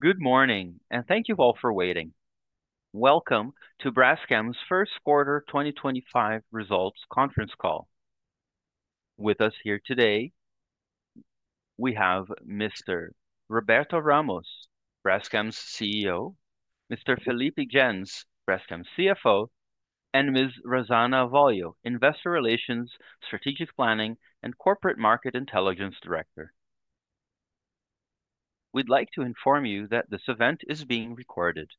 Good morning, and thank you all for waiting. Welcome to Braskem's First Quarter 2025 Results Conference Call. With us here today, we have Mr. Roberto Ramos, Braskem's CEO, Mr. Felipe Jens, Braskem's CFO, and Ms. Rosana Avolio, Investor Relations, Strategic Planning, and Corporate Market Intelligence Director. We would like to inform you that this event is being recorded.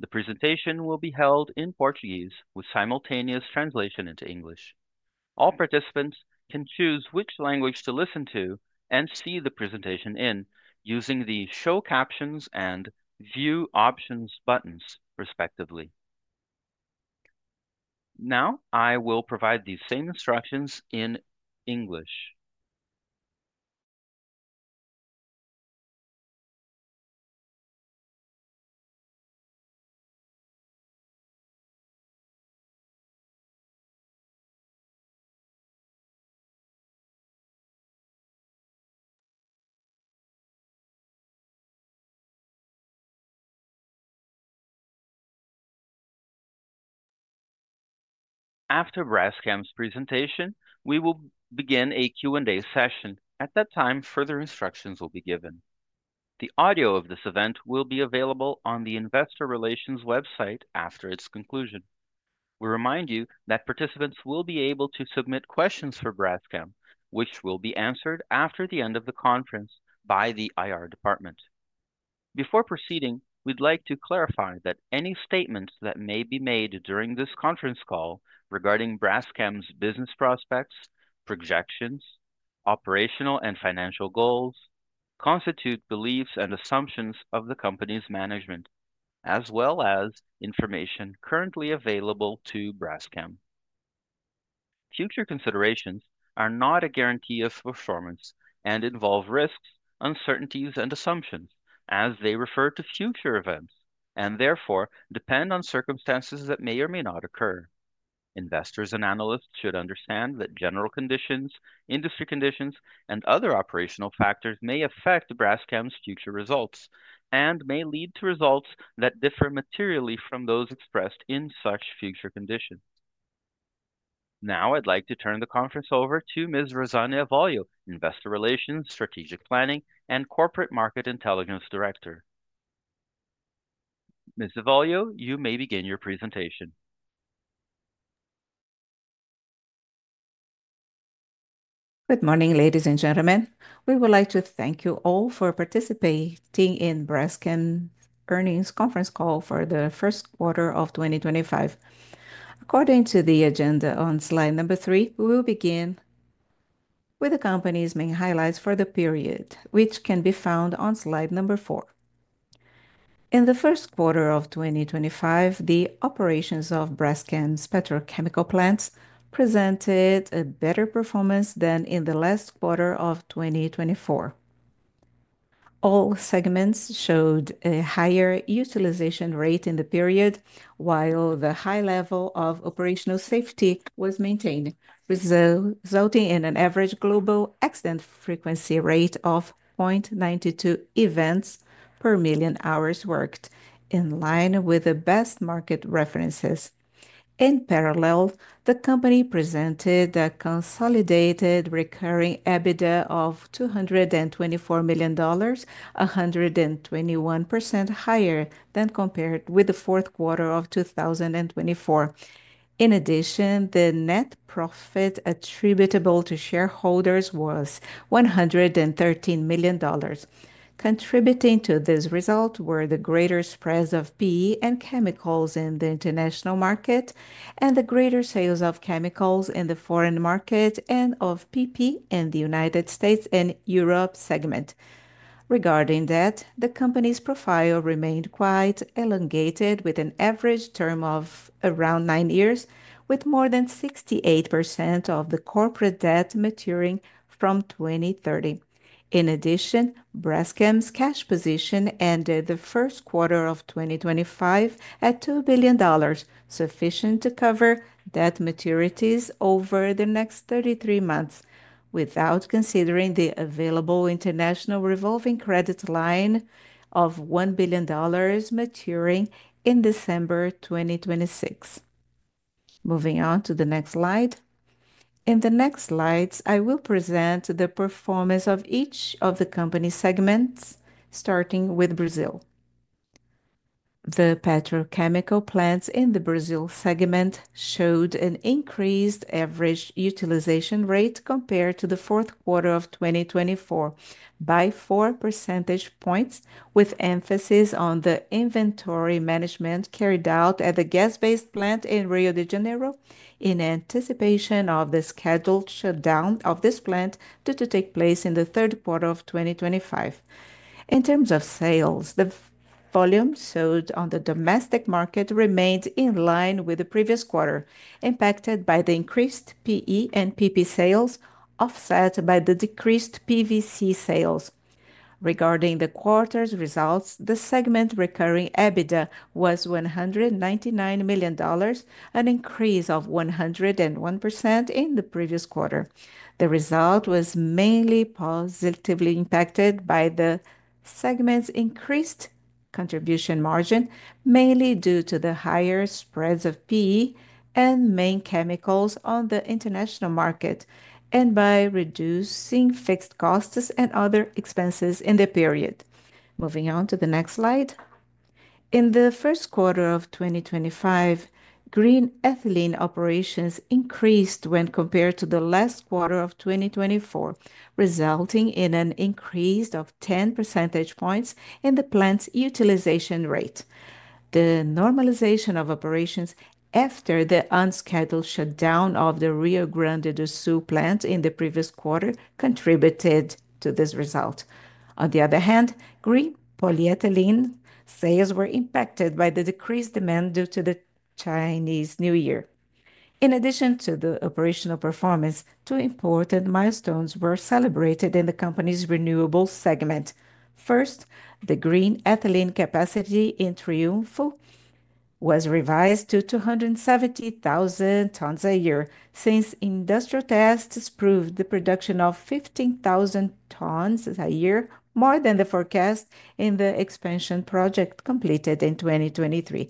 The presentation will be held in Portuguese with simultaneous translation into English. All participants can choose which language to listen to and see the presentation in using the Show Captions and View Options buttons, respectively. Now, I will provide these same instructions in English. After Braskem's presentation, we will begin a Q&A session. At that time, further instructions will be given. The audio of this event will be available on the Investor Relations website after its conclusion. We remind you that participants will be able to submit questions for Braskem, which will be answered after the end of the conference by the IR Department. Before proceeding, we'd like to clarify that any statements that may be made during this conference call regarding Braskem's business prospects, projections, operational and financial goals constitute beliefs and assumptions of the company's management, as well as information currently available to Braskem. Future considerations are not a guarantee of performance and involve risks, uncertainties, and assumptions, as they refer to future events and therefore depend on circumstances that may or may not occur. Investors and analysts should understand that general conditions, industry conditions, and other operational factors may affect Braskem's future results and may lead to results that differ materially from those expressed in such future conditions. Now, I'd like to turn the conference over to Ms. Rosana Avolio, Investor Relations, Strategic Planning, and Corporate Market Intelligence Director. Ms. Avolio, you may begin your presentation. Good morning, ladies and gentlemen. We would like to thank you all for participating in Braskem's earnings conference call for the first quarter of 2025. According to the agenda on slide number three, we will begin with the company's main highlights for the period, which can be found on slide number four. In the first quarter of 2025, the operations of Braskem's petrochemical plants presented a better performance than in the last quarter of 2024. All segments showed a higher utilization rate in the period, while the high level of operational safety was maintained, resulting in an average global accident frequency rate of 0.92 events per million hours worked, in line with the best market references. In parallel, the company presented a consolidated recurring EBITDA of $224 million, 121% higher than compared with the fourth quarter of 2024. In addition, the net profit attributable to shareholders was $113 million. Contributing to this result were the greater spreads of PE and chemicals in the international market and the greater sales of chemicals in the foreign market and of PP in the United States and Europe segment. Regarding that, the company's profile remained quite elongated, with an average term of around nine years, with more than 68% of the corporate debt maturing from 2030. In addition, Braskem's cash position ended the first quarter of 2025 at $2 billion, sufficient to cover debt maturities over the next 33 months, without considering the available international revolving credit line of $1 billion maturing in December 2026. Moving on to the next slide. In the next slides, I will present the performance of each of the company segments, starting with Brazil. The petrochemical plants in the Brazil segment showed an increased average utilization rate compared to the fourth quarter of 2024 by four percentage points, with emphasis on the inventory management carried out at the gas-based plant in Rio de Janeiro in anticipation of the scheduled shutdown of this plant due to take place in the third quarter of 2025. In terms of sales, the volume sold on the domestic market remained in line with the previous quarter, impacted by the increased PE and PP sales offset by the decreased PVC sales. Regarding the quarter's results, the segment recurring EBITDA was $199 million, an increase of 101% in the previous quarter. The result was mainly positively impacted by the segment's increased contribution margin, mainly due to the higher spreads of PE and main chemicals on the international market, and by reducing fixed costs and other expenses in the period. Moving on to the next slide. In the first quarter of 2025, green ethylene operations increased when compared to the last quarter of 2024, resulting in an increase of 10 percentage points in the plant's utilization rate. The normalization of operations after the unscheduled shutdown of the Rio Grande do Sul plant in the previous quarter contributed to this result. On the other hand, green polyethylene sales were impacted by the decreased demand due to the Chinese New Year. In addition to the operational performance, two important milestones were celebrated in the company's renewables segment. First, the green ethylene capacity in Triunfo was revised to 270,000 tons a year since industrial tests proved the production of 15,000 tons a year, more than the forecast in the expansion project completed in 2023.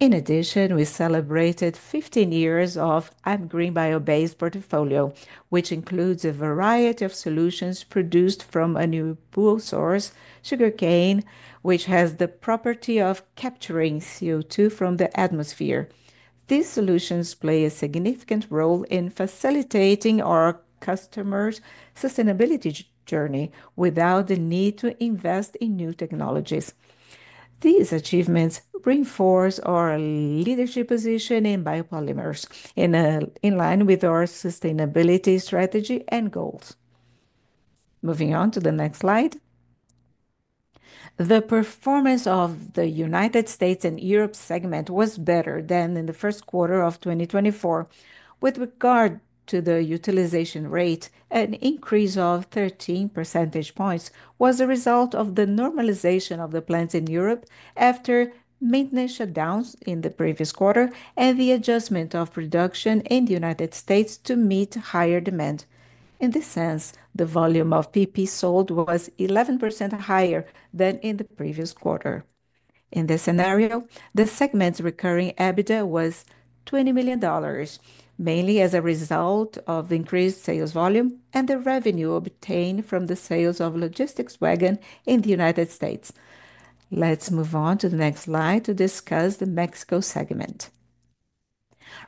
In addition, we celebrated 15 years of a green bio-based portfolio, which includes a variety of solutions produced from a new pool source, sugarcane, which has the property of capturing CO2 from the atmosphere. These solutions play a significant role in facilitating our customers' sustainability journey without the need to invest in new technologies. These achievements reinforce our leadership position in biopolymer in line with our sustainability strategy and goals. Moving on to the next slide. The performance of the United States and Europe segment was better than in the first quarter of 2024. With regard to the utilization rate, an increase of 13 percentage points was a result of the normalization of the plants in Europe after maintenance shutdowns in the previous quarter and the adjustment of production in the United States to meet higher demand. In this sense, the volume of PP sold was 11% higher than in the previous quarter. In this scenario, the segment's recurring EBITDA was $20 million, mainly as a result of the increased sales volume and the revenue obtained from the sales of logistics wagon in the United States. Let's move on to the next slide to discuss the Mexico segment.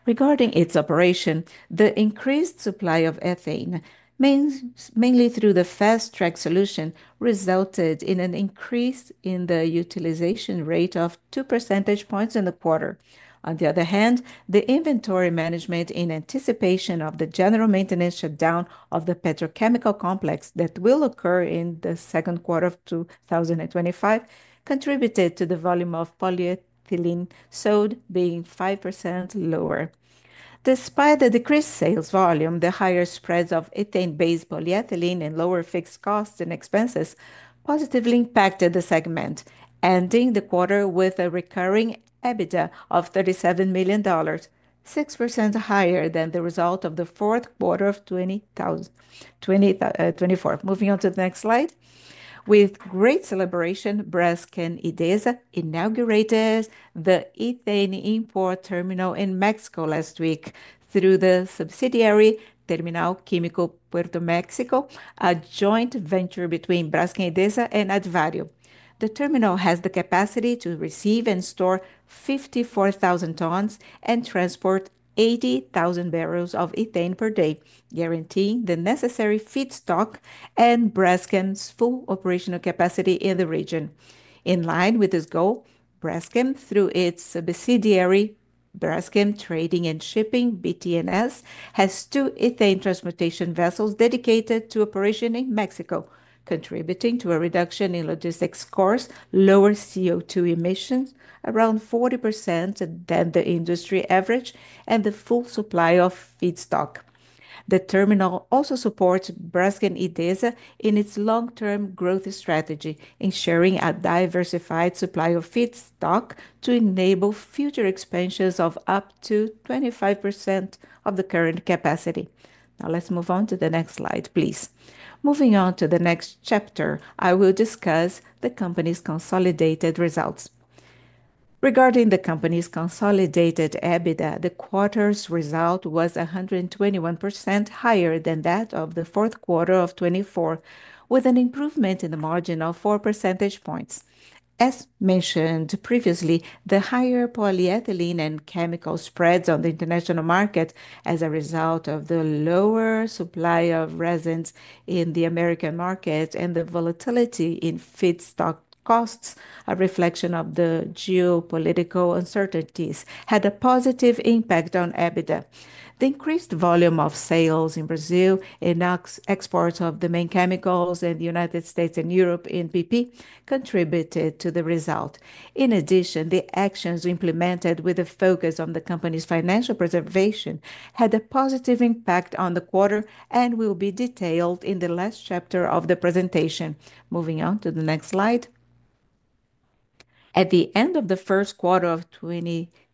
Regarding its operation, the increased supply of ethane, mainly through the fast track solution, resulted in an increase in the utilization rate of 2 percentage points in the quarter. On the other hand, the inventory management in anticipation of the general maintenance shutdown of the petrochemical complex that will occur in the second quarter of 2025 contributed to the volume of polyethylene sold being 5% lower. Despite the decreased sales volume, the higher spreads of ethane-based polyethylene and lower fixed costs and expenses positively impacted the segment, ending the quarter with a recurring EBITDA of $37 million, 6% higher than the result of the fourth quarter of 2024. Moving on to the next slide. With great celebration, Braskem Idesa inaugurated the ethane import terminal in Mexico last week through the subsidiary Terminal Químico Puerto México, a joint venture between Braskem Idesa and Advario. The terminal has the capacity to receive and store 54,000 tons and transport 80,000 barrels of ethane per day, guaranteeing the necessary feedstock and Braskem's full operational capacity in the region. In line with this goal, Braskem, through its subsidiary Braskem Trading and Shipping (BT&S), has two ethane transportation vessels dedicated to operation in Mexico, contributing to a reduction in logistics costs, lower CO2 emissions around 40% than the industry average, and the full supply of feedstock. The terminal also supports Braskem Idesa in its long-term growth strategy, ensuring a diversified supply of feedstock to enable future expansions of up to 25% of the current capacity. Now, let's move on to the next slide, please. Moving on to the next chapter, I will discuss the company's consolidated results. Regarding the company's consolidated EBITDA, the quarter's result was 121% higher than that of the fourth quarter of 2024, with an improvement in the margin of 4 percentage points. As mentioned previously, the higher polyethylene and chemical spreads on the international market as a result of the lower supply of resins in the American market and the volatility in feedstock costs, a reflection of the geopolitical uncertainties, had a positive impact on EBITDA. The increased volume of sales in Brazil and exports of the main chemicals in the United States and Europe in PP contributed to the result. In addition, the actions implemented with a focus on the company's financial preservation had a positive impact on the quarter and will be detailed in the last chapter of the presentation. Moving on to the next slide. At the end of the first quarter of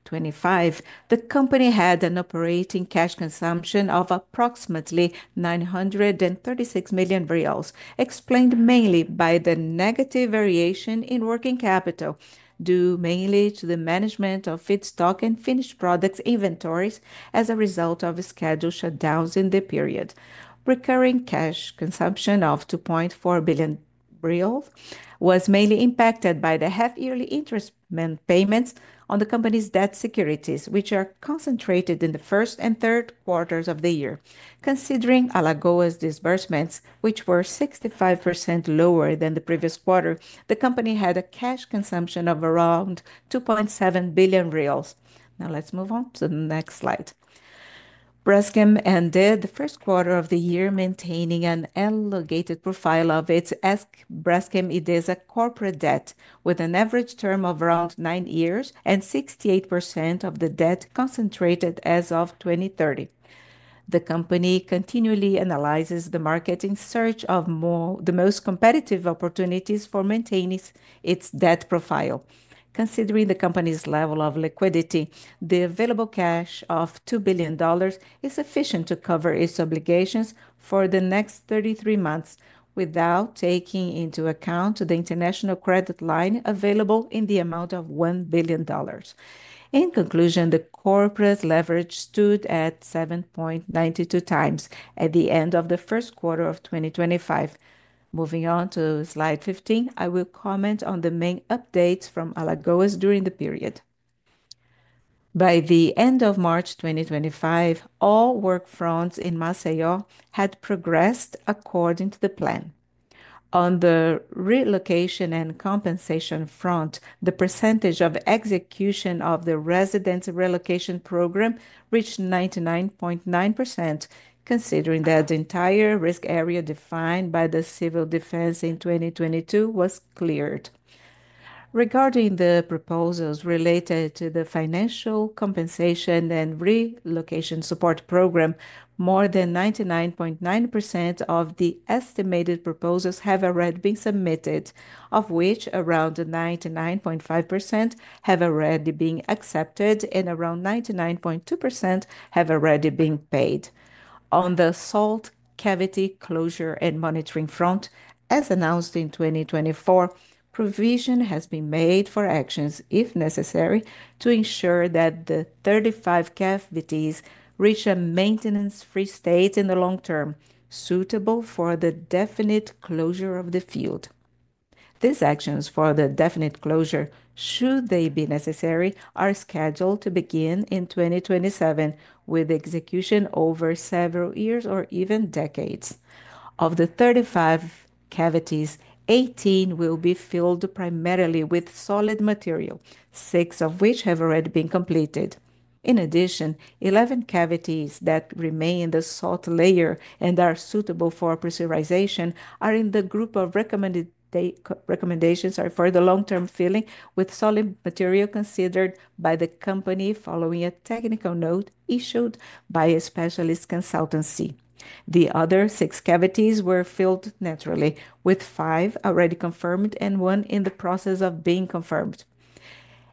2025, the company had an operating cash consumption of approximately 936 million reais, explained mainly by the negative variation in working capital due mainly to the management of feedstock and finished products inventories as a result of scheduled shutdowns in the period. Recurring cash consumption of 2.4 billion reais was mainly impacted by the half-yearly interest payments on the company's debt securities, which are concentrated in the first and third quarters of the year. Considering Alagoas disbursements, which were 65% lower than the previous quarter, the company had a cash consumption of around 2.7 billion reais. Now, let's move on to the next slide. Braskem ended the first quarter of the year maintaining an elongated profile of its Braskem Idesa corporate debt, with an average term of around nine years and 68% of the debt concentrated as of 2030. The company continually analyzes the market in search of the most competitive opportunities for maintaining its debt profile. Considering the company's level of liquidity, the available cash of $2 billion is sufficient to cover its obligations for the next 33 months without taking into account the international credit line available in the amount of $1 billion. In conclusion, the corporate leverage stood at 7.92x at the end of the first quarter of 2025. Moving on to slide 15, I will comment on the main updates from Alagoas during the period. By the end of March 2025, all work fronts in Maceió had progressed according to the plan. On the relocation and compensation front, the percentage of execution of the residents' relocation program reached 99.9%, considering that the entire risk area defined by the civil defense in 2022 was cleared. Regarding the proposals related to the financial compensation and relocation support program, more than 99.9% of the estimated proposals have already been submitted, of which around 99.5% have already been accepted and around 99.2% have already been paid. On the salt cavity closure and monitoring front, as announced in 2024, provision has been made for actions, if necessary, to ensure that the 35 cavities reach a maintenance-free state in the long term, suitable for the definite closure of the field. These actions for the definite closure, should they be necessary, are scheduled to begin in 2027, with execution over several years or even decades. Of the 35 cavities, 18 will be filled primarily with solid material, six of which have already been completed. In addition, 11 cavities that remain in the salt layer and are suitable for pressurization are in the group of recommendations for the long-term filling with solid material considered by the company following a technical note issued by a specialist consultancy. The other six cavities were filled naturally, with five already confirmed and one in the process of being confirmed.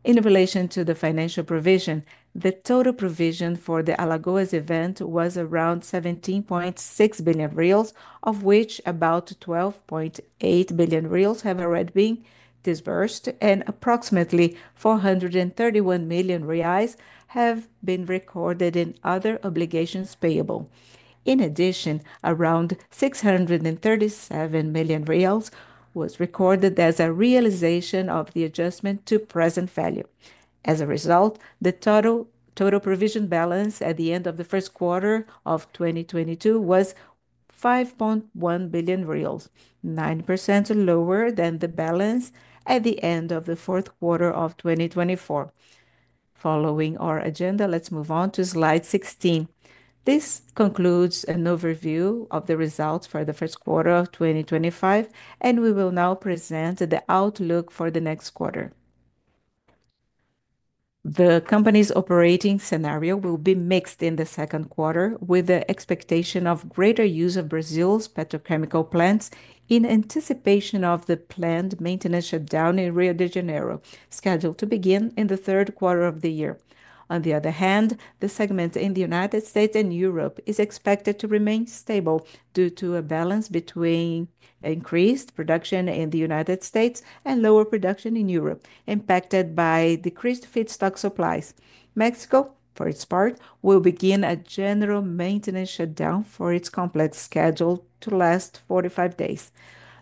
In relation to the financial provision, the total provision for the Alagoas event was around 17.6 billion reais, of which about 12.8 billion reais have already been disbursed and approximately 431 million reais have been recorded in other obligations payable. In addition, around 637 million reais was recorded as a realization of the adjustment to present value. As a result, the total provision balance at the end of the first quarter of 2022 was 5.1 billion reais, 9% lower than the balance at the end of the fourth quarter of 2024. Following our agenda, let's move on to slide 16. This concludes an overview of the results for the first quarter of 2025, and we will now present the outlook for the next quarter. The company's operating scenario will be mixed in the second quarter, with the expectation of greater use of Brazil's petrochemical plants in anticipation of the planned maintenance shutdown in Rio de Janeiro, scheduled to begin in the third quarter of the year. On the other hand, the segment in the United States and Europe is expected to remain stable due to a balance between increased production in the United States and lower production in Europe, impacted by decreased feedstock supplies. Mexico, for its part, will begin a general maintenance shutdown for its complex scheduled to last 45 days.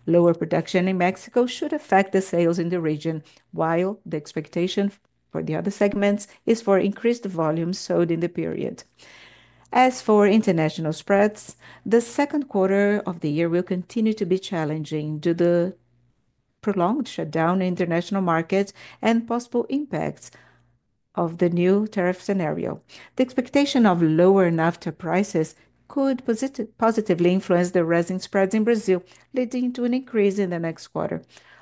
Lower production in Mexico should affect the sales in the region, while the expectation for the other segments is for increased volume sold in the period. As for international spreads, the second quarter of the year will continue to be challenging due to the prolonged shutdown in international markets and possible impacts of the new tariff scenario. The expectation of lower nafta prices could positively influence the resin spreads in Brazil, leading to an increase in the next quarter.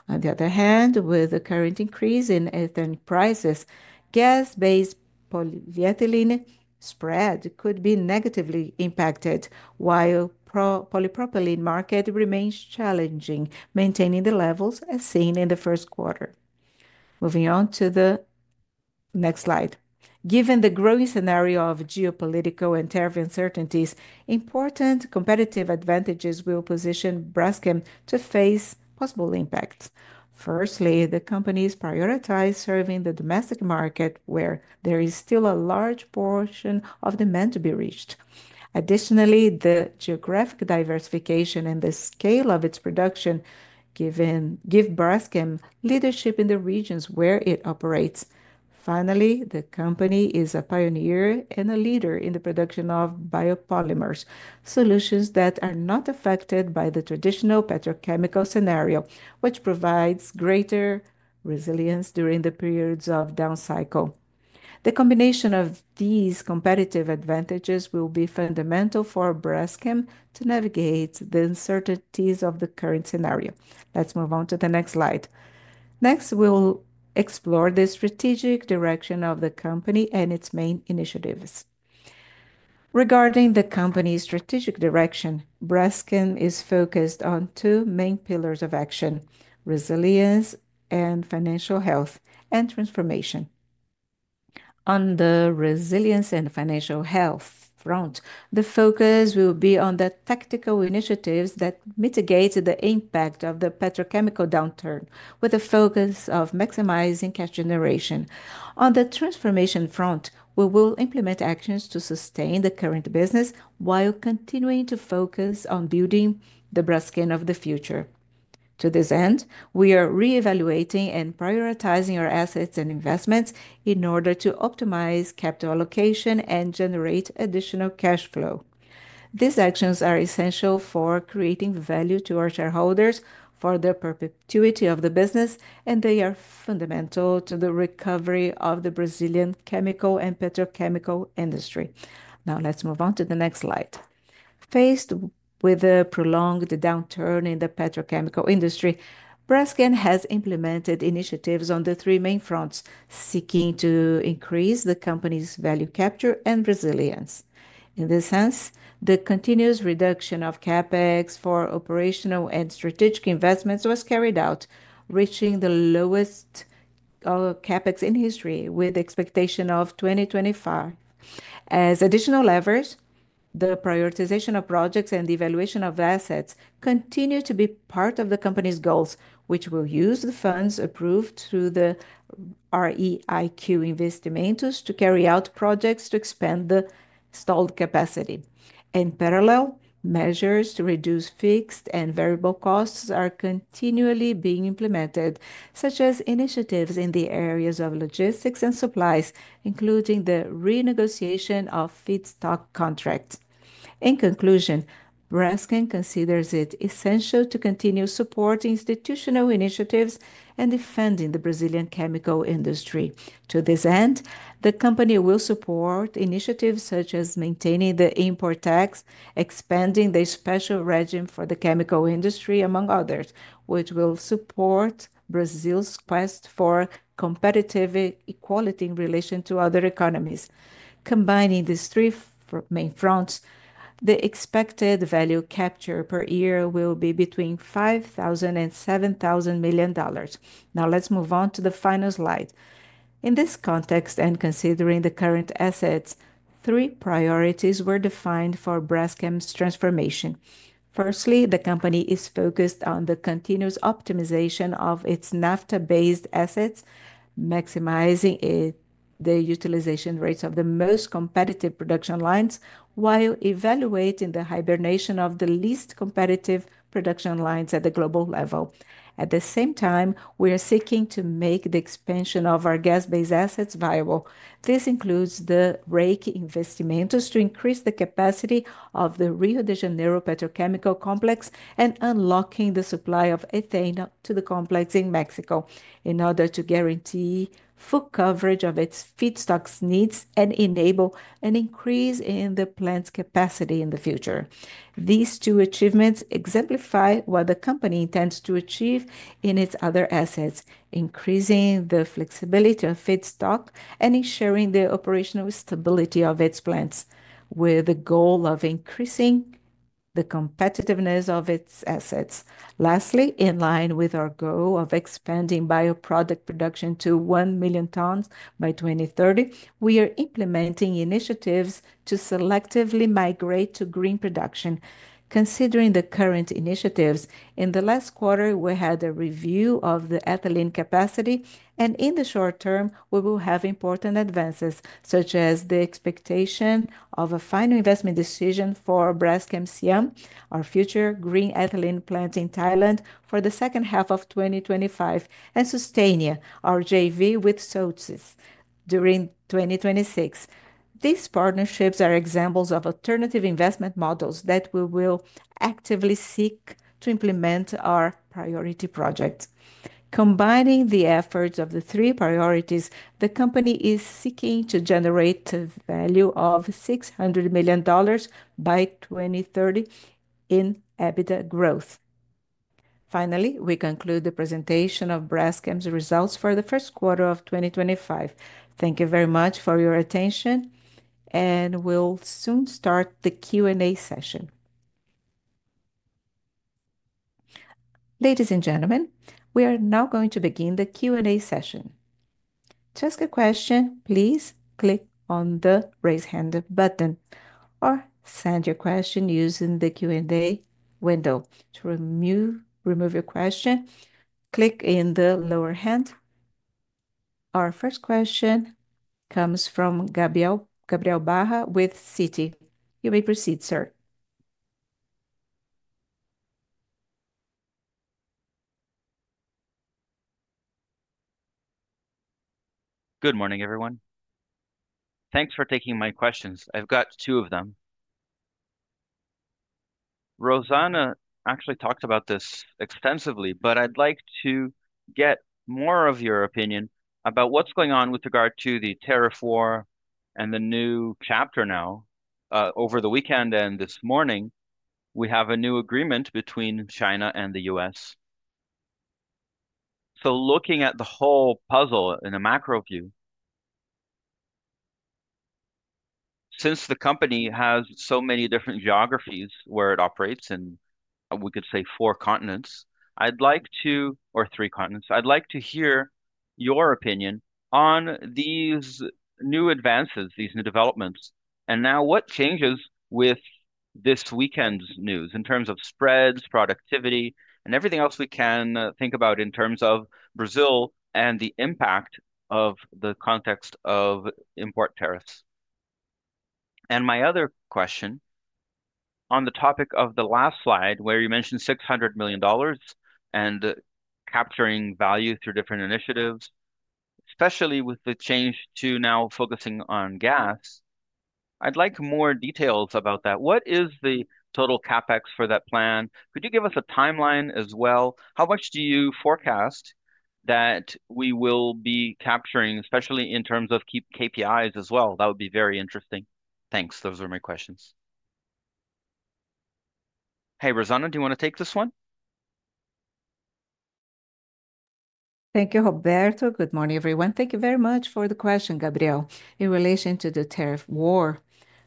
On the other hand, with the current increase in ethane prices, gas-based polyethylene spread could be negatively impacted, while the polypropylene market remains challenging, maintaining the levels as seen in the first quarter. Moving on to the next slide. Given the growing scenario of geopolitical and tariff uncertainties, important competitive advantages will position Braskem to face possible impacts. Firstly, the company is prioritized serving the domestic market, where there is still a large portion of demand to be reached. Additionally, the geographic diversification and the scale of its production give Braskem leadership in the regions where it operates. Finally, the company is a pioneer and a leader in the production of biopolymer solutions that are not affected by the traditional petrochemical scenario, which provides greater resilience during the periods of down cycle. The combination of these competitive advantages will be fundamental for Braskem to navigate the uncertainties of the current scenario. Let's move on to the next slide. Next, we'll explore the strategic direction of the company and its main initiatives. Regarding the company's strategic direction, Braskem is focused on two main pillars of action: resilience and financial health and transformation. On the resilience and financial health front, the focus will be on the tactical initiatives that mitigate the impact of the petrochemical downturn, with a focus on maximizing cash generation. On the transformation front, we will implement actions to sustain the current business while continuing to focus on building the Braskem of the future. To this end, we are re-evaluating and prioritizing our assets and investments in order to optimize capital allocation and generate additional cash flow. These actions are essential for creating value to our shareholders, for the perpetuity of the business, and they are fundamental to the recovery of the Brazilian chemical and petrochemical industry. Now, let's move on to the next slide. Faced with a prolonged downturn in the petrochemical industry, Braskem has implemented initiatives on the three main fronts, seeking to increase the company's value capture and resilience. In this sense, the continuous reduction of CapEx for operational and strategic investments was carried out, reaching the lowest CapEx in history, with the expectation of 2025. As additional levers, the prioritization of projects and the evaluation of assets continue to be part of the company's goals, which will use the funds approved through the REIQ Investimentos to carry out projects to expand the stalled capacity. In parallel, measures to reduce fixed and variable costs are continually being implemented, such as initiatives in the areas of logistics and supplies, including the renegotiation of feedstock contracts. In conclusion, Braskem considers it essential to continue supporting institutional initiatives and defending the Brazilian chemical industry. To this end, the company will support initiatives such as maintaining the import tax, expanding the special regime for the chemical industry, among others, which will support Brazil's quest for competitive equality in relation to other economies. Combining these three main fronts, the expected value capture per year will be between $5,000 million and $7,000 million. Now, let's move on to the final slide. In this context, and considering the current assets, three priorities were defined for Braskem's transformation. Firstly, the company is focused on the continuous optimization of its nafta-based assets, maximizing the utilization rates of the most competitive production lines while evaluating the hibernation of the least competitive production lines at the global level. At the same time, we are seeking to make the expansion of our gas-based assets viable. This includes the REIQ Investimentos to increase the capacity of the Rio de Janeiro petrochemical complex and unlocking the supply of ethane to the complex in Mexico in order to guarantee full coverage of its feedstock needs and enable an increase in the plant's capacity in the future. These two achievements exemplify what the company intends to achieve in its other assets, increasing the flexibility of feedstock and ensuring the operational stability of its plants, with the goal of increasing the competitiveness of its assets. Lastly, in line with our goal of expanding bioproduct production to 1 million tons by 2030, we are implementing initiatives to selectively migrate to green production. Considering the current initiatives, in the last quarter, we had a review of the ethylene capacity, and in the short term, we will have important advances, such as the expectation of a final investment decision for Braskem SIAM, our future green ethylene plant in Thailand for the second half of 2025, and Sustainea, our JV with Sojitz, during 2026. These partnerships are examples of alternative investment models that we will actively seek to implement our priority projects. Combining the efforts of the three priorities, the company is seeking to generate a value of $600 million by 2030 in EBITDA growth. Finally, we conclude the presentation of Braskem's results for the first quarter of 2025. Thank you very much for your attention, and we'll soon start the Q&A session. Ladies and gentlemen, we are now going to begin the Q&A session. To ask a question, please click on the raise hand button or send your question using the Q&A window. To remove your question, click in the lower hand. Our first question comes from Gabriel Barra with Citi. You may proceed, sir. Good morning, everyone. Thanks for taking my questions. I've got two of them. Rosana actually talked about this extensively, but I'd like to get more of your opinion about what's going on with regard to the tariff war and the new chapter now. Over the weekend and this morning, we have a new agreement between China and the U.S. Looking at the whole puzzle in a macro view, since the company has so many different geographies where it operates in, we could say, four continents, or three continents, I'd like to hear your opinion on these new advances, these new developments, and now what changes with this weekend's news in terms of spreads, productivity, and everything else we can think about in terms of Brazil and the impact of the context of import tariffs. My other question on the topic of the last slide, where you mentioned $600 million and capturing value through different initiatives, especially with the change to now focusing on gas, I'd like more details about that. What is the total CapEx for that plan? Could you give us a timeline as well? How much do you forecast that we will be capturing, especially in terms of KPIs as well? That would be very interesting. Thanks. Those are my questions. Hey, Rosana, do you want to take this one? Thank you, Roberto. Good morning, everyone. Thank you very much for the question, Gabriel. In relation to the tariff war,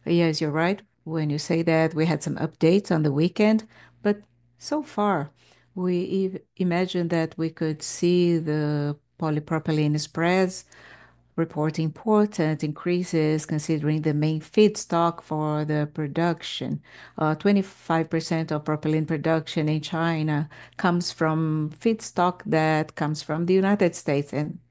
yes, you're right. When you say that, we had some updates on the weekend, but so far, we imagine that we could see the polypropylene spreads reporting important increases considering the main feedstock for the production. 25% of propylene production in China comes from feedstock that comes from the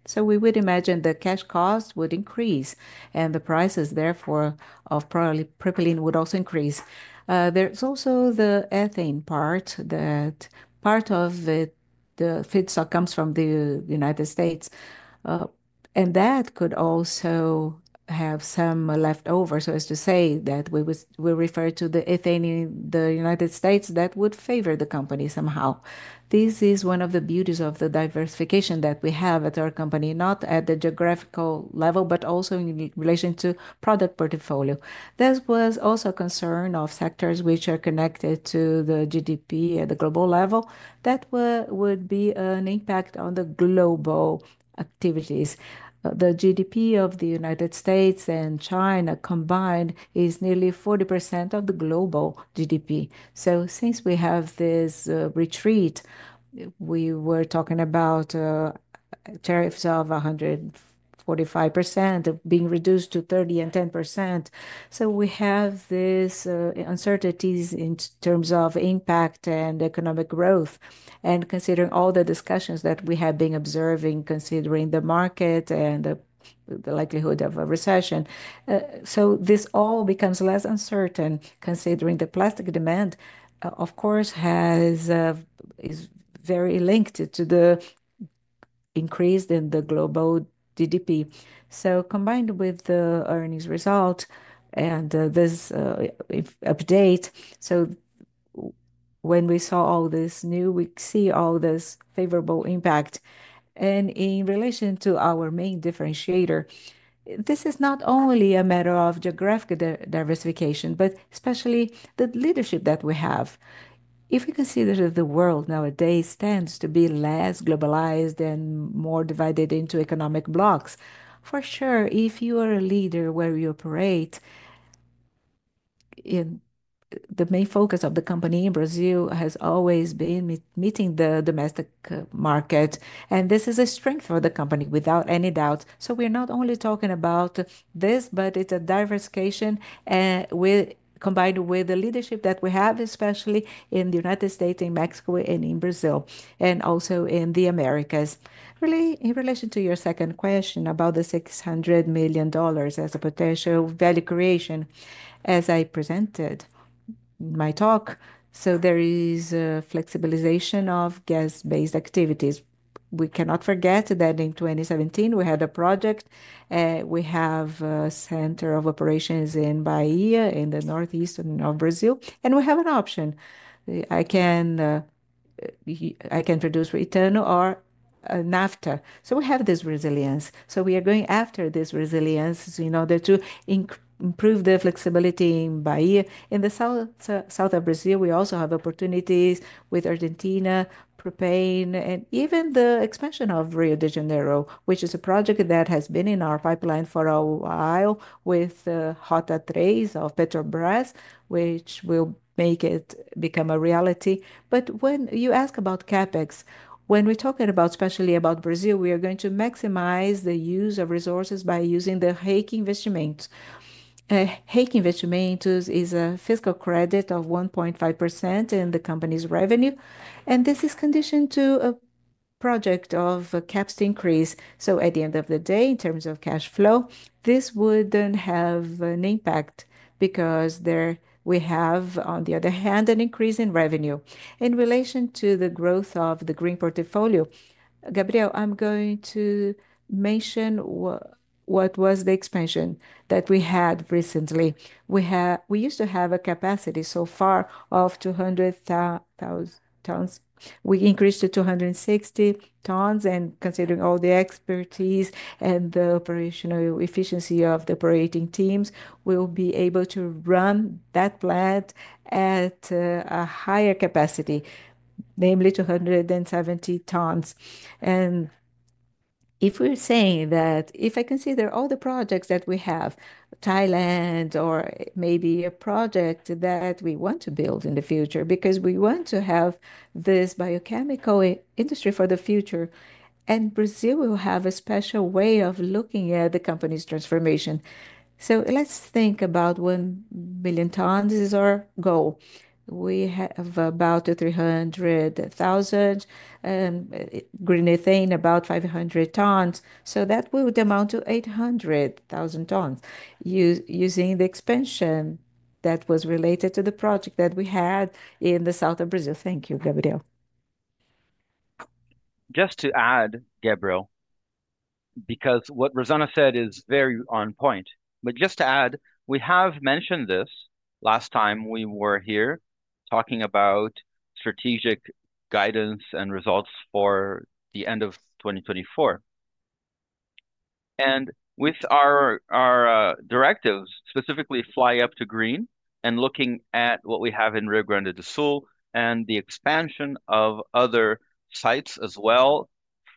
United States. We would imagine the cash cost would increase, and the prices, therefore, of propylene would also increase. There is also the ethane part, that part of the feedstock comes from the United States, and that could also have some leftovers. As to say that we refer to the ethane in the United States, that would favor the company somehow. This is one of the beauties of the diversification that we have at our company, not at the geographical level, but also in relation to product portfolio. There was also a concern of sectors which are connected to the GDP at the global level that would be an impact on the global activities. The GDP of the United States and China combined is nearly 40% of the global GDP. Since we have this retreat, we were talking about tariffs of 145% being reduced to 30% and 10%. We have these uncertainties in terms of impact and economic growth. Considering all the discussions that we have been observing, considering the market and the likelihood of a recession, this all becomes less uncertain considering the plastic demand, of course, is very linked to the increase in the global GDP. Combined with the earnings result and this update, when we saw all this new, we see all this favorable impact. In relation to our main differentiator, this is not only a matter of geographical diversification, but especially the leadership that we have. If we consider that the world nowadays tends to be less globalized and more divided into economic blocs, for sure, if you are a leader where you operate, the main focus of the company in Brazil has always been meeting the domestic market, and this is a strength for the company, without any doubt. We are not only talking about this, but it's a diversification combined with the leadership that we have, especially in the United States, in Mexico, and in Brazil, and also in the Americas. Really, in relation to your second question about the $600 million as a potential value creation, as I presented in my talk, there is a flexibilization of gas-based activities. We cannot forget that in 2017, we had a project. We have a center of operations in Bahia, in the northeast of Brazil, and we have an option. I can produce ethane or nafta. We have this resilience. We are going after this resilience in order to improve the flexibility in Bahia. In the south of Brazil, we also have opportunities with Argentina, propane, and even the expansion of Rio de Janeiro, which is a project that has been in our pipeline for a while with hot trays of Petrobras, which will make it become a reality. When you ask about CapEx, when we're talking about, especially about Brazil, we are going to maximize the use of resources by using the REIQ Investimentos. REIQ Investimentos is a fiscal credit of 1.5% in the company's revenue, and this is conditioned to a project of CapEx increase. At the end of the day, in terms of cash flow, this would not have an impact because there we have, on the other hand, an increase in revenue. In relation to the growth of the green portfolio, Gabriel, I'm going to mention what was the expansion that we had recently. We used to have a capacity so far of 200 tons. We increased to 260 tons, and considering all the expertise and the operational efficiency of the operating teams, we will be able to run that plant at a higher capacity, namely 270 tons. If we are saying that, if I consider all the projects that we have, Thailand, or maybe a project that we want to build in the future, because we want to have this biochemical industry for the future, Brazil will have a special way of looking at the company's transformation. Let's think about 1 million tons as our goal. We have about 300,000 in green ethane, about 500 tons. That would amount to 800,000 tons using the expansion that was related to the project that we had in the south of Brazil. Thank you, Gabriel. Just to add, Gabriel, because what Rosana said is very on point, but just to add, we have mentioned this last time we were here talking about strategic guidance and results for the end of 2024. With our directives, specifically Fly Up to Green, and looking at what we have in Rio Grande do Sul and the expansion of other sites as well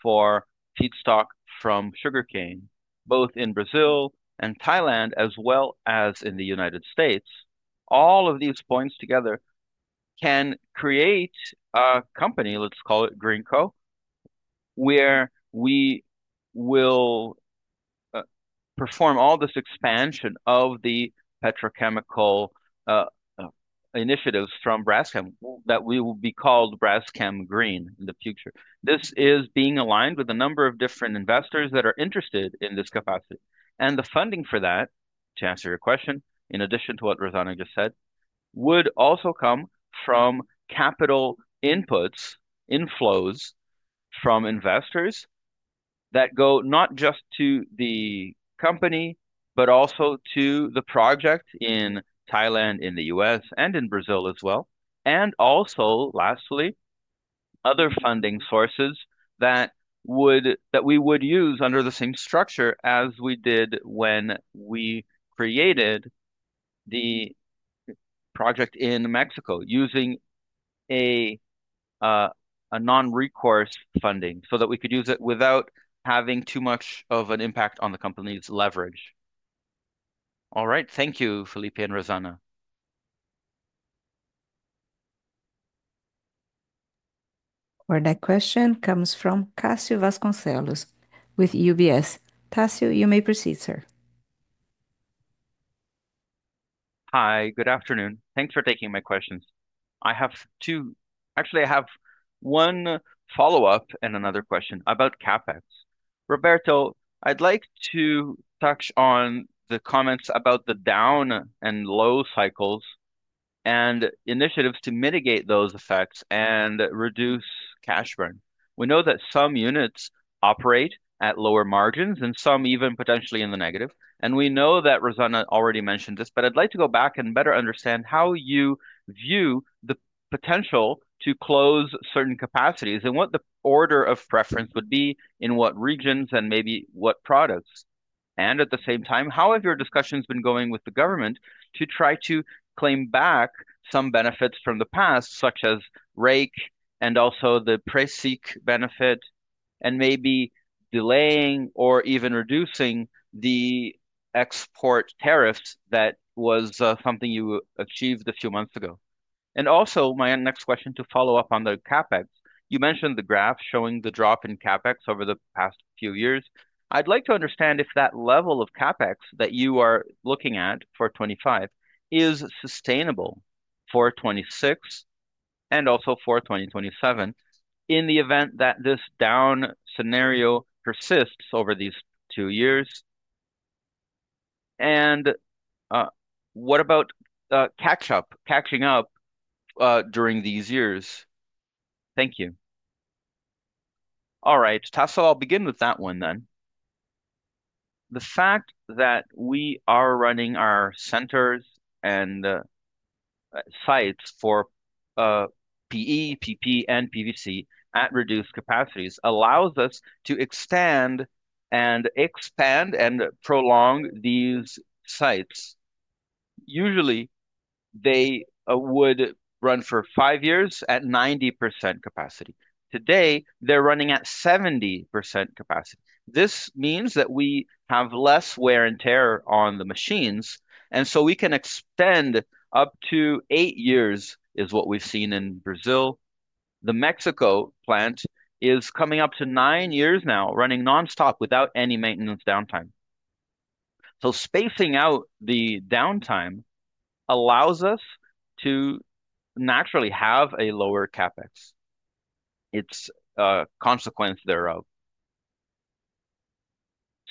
for feedstock from sugarcane, both in Brazil and Thailand, as well as in the United States, all of these points together can create a company, let's call it GreenCo, where we will perform all this expansion of the petrochemical initiatives from Braskem that will be called Braskem Green in the future. This is being aligned with a number of different investors that are interested in this capacity. The funding for that, to answer your question, in addition to what Rosana just said, would also come from capital inputs, inflows from investors that go not just to the company, but also to the project in Thailand, in the U.S. and in Brazil as well. Also, lastly, other funding sources that we would use under the same structure as we did when we created the project in Mexico using a non-recourse funding so that we could use it without having too much of an impact on the company's leverage. All right, thank you, Felipe and Rosana. Our next question comes from Tasso Vasconcellos with UBS. Tasso, you may proceed, sir. Hi, good afternoon. Thanks for taking my questions. I have two, actually, I have one follow-up and another question about CapEx. Roberto, I'd like to touch on the comments about the down and low cycles and initiatives to mitigate those effects and reduce cash burn. We know that some units operate at lower margins and some even potentially in the negative. We know that Rosana already mentioned this, but I'd like to go back and better understand how you view the potential to close certain capacities and what the order of preference would be in what regions and maybe what products. At the same time, how have your discussions been going with the government to try to claim back some benefits from the past, such as REIQ and also the PRESIQ benefit, and maybe delaying or even reducing the export tariffs that was something you achieved a few months ago? Also, my next question to follow up on the CapEx, you mentioned the graph showing the drop in CapEx over the past few years. I'd like to understand if that level of CapEx that you are looking at for 2025 is sustainable for 2026 and also for 2027 in the event that this down scenario persists over these two years. What about catching up during these years? Thank you. All right, Tasso, I'll begin with that one then. The fact that we are running our centers and sites for PE, PP, and PVC at reduced capacities allows us to extend and expand and prolong these sites. Usually, they would run for five years at 90% capacity. Today, they're running at 70% capacity. This means that we have less wear and tear on the machines, and so we can extend up to eight years is what we've seen in Brazil. The Mexico plant is coming up to nine years now, running nonstop without any maintenance downtime. Spacing out the downtime allows us to naturally have a lower CapEx. It's a consequence thereof.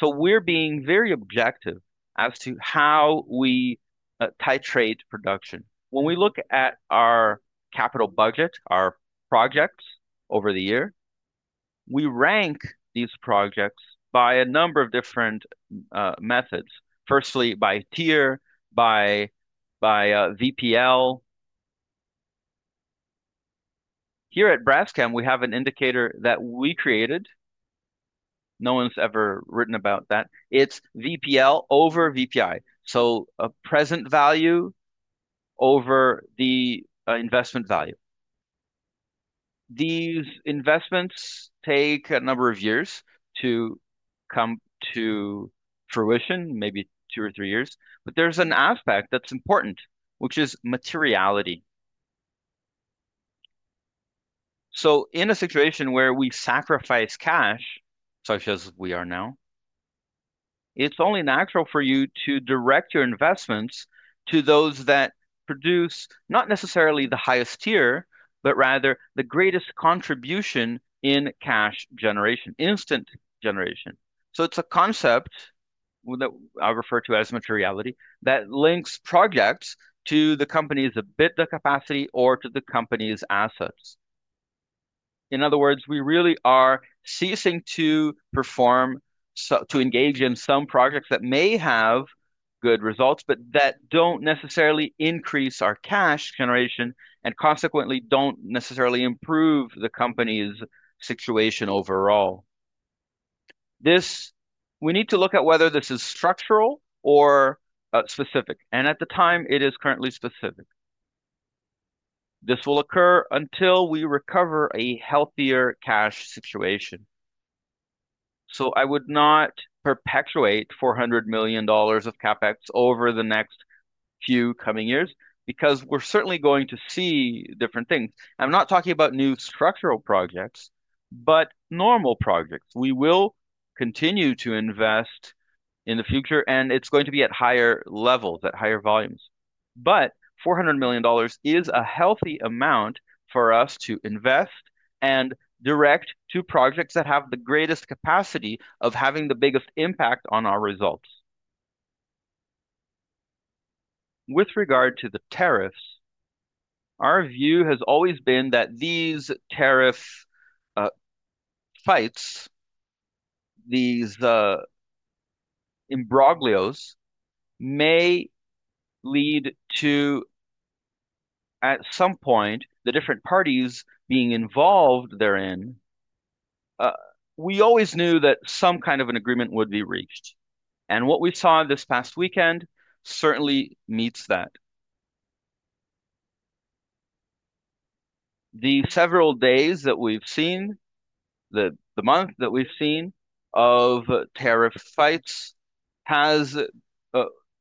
We're being very objective as to how we titrate production. When we look at our capital budget, our projects over the year, we rank these projects by a number of different methods, firstly by tier, by VPL. Here at Braskem, we have an indicator that we created. No one's ever written about that. It's VPL over VPI, so a present value over the investment value. These investments take a number of years to come to fruition, maybe two or three years, but there's an aspect that's important, which is materiality. In a situation where we sacrifice cash, such as we are now, it's only natural for you to direct your investments to those that produce not necessarily the highest tier, but rather the greatest contribution in cash generation, instant generation. It's a concept that I refer to as materiality that links projects to the company's bid capacity or to the company's assets. In other words, we really are ceasing to perform, to engage in some projects that may have good results, but that don't necessarily increase our cash generation and consequently don't necessarily improve the company's situation overall. We need to look at whether this is structural or specific, and at the time, it is currently specific. This will occur until we recover a healthier cash situation. I would not perpetuate $400 million of CapEx over the next few coming years because we are certainly going to see different things. I am not talking about new structural projects, but normal projects. We will continue to invest in the future, and it is going to be at higher levels, at higher volumes. $400 million is a healthy amount for us to invest and direct to projects that have the greatest capacity of having the biggest impact on our results. With regard to the tariffs, our view has always been that these tariff fights, these imbroglios, may lead to, at some point, the different parties being involved therein. We always knew that some kind of an agreement would be reached, and what we saw this past weekend certainly meets that. The several days that we've seen, the month that we've seen of tariff fights,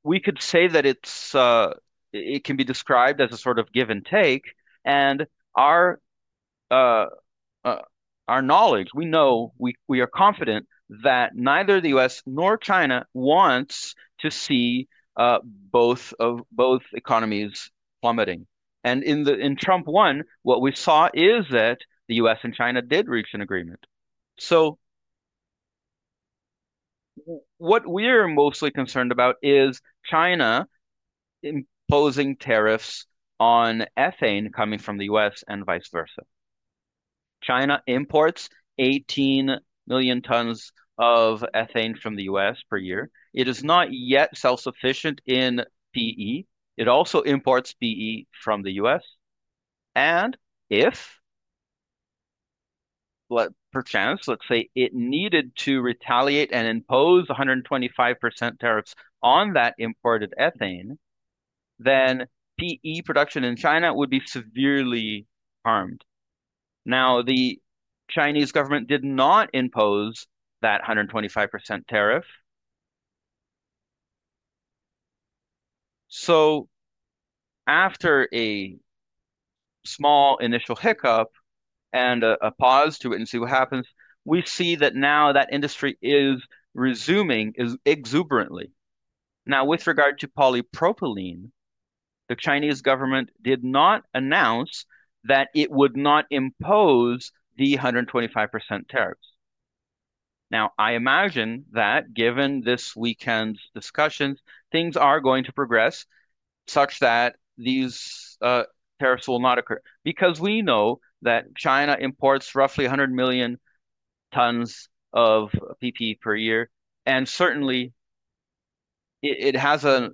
we could say that it can be described as a sort of give and take. Our knowledge, we know we are confident that neither the U.S. nor China wants to see both economies plummeting. In Trump 1, what we saw is that the U.S. and China did reach an agreement. What we're mostly concerned about is China imposing tariffs on ethane coming from the U.S. and vice versa. China imports 18 million tons of ethane from the U.S. per year. It is not yet self-sufficient in PE. It also imports PE from the U.S. If, perchance, let's say it needed to retaliate and impose 125% tariffs on that imported ethane, then PE production in China would be severely harmed. The Chinese government did not impose that 125% tariff. After a small initial hiccup and a pause to it and see what happens, we see that now that industry is resuming exuberantly. Now, with regard to polypropylene, the Chinese government did not announce that it would not impose the 125% tariffs. Now, I imagine that given this weekend's discussions, things are going to progress such that these tariffs will not occur because we know that China imports roughly 100 million tons of PP per year, and certainly it has a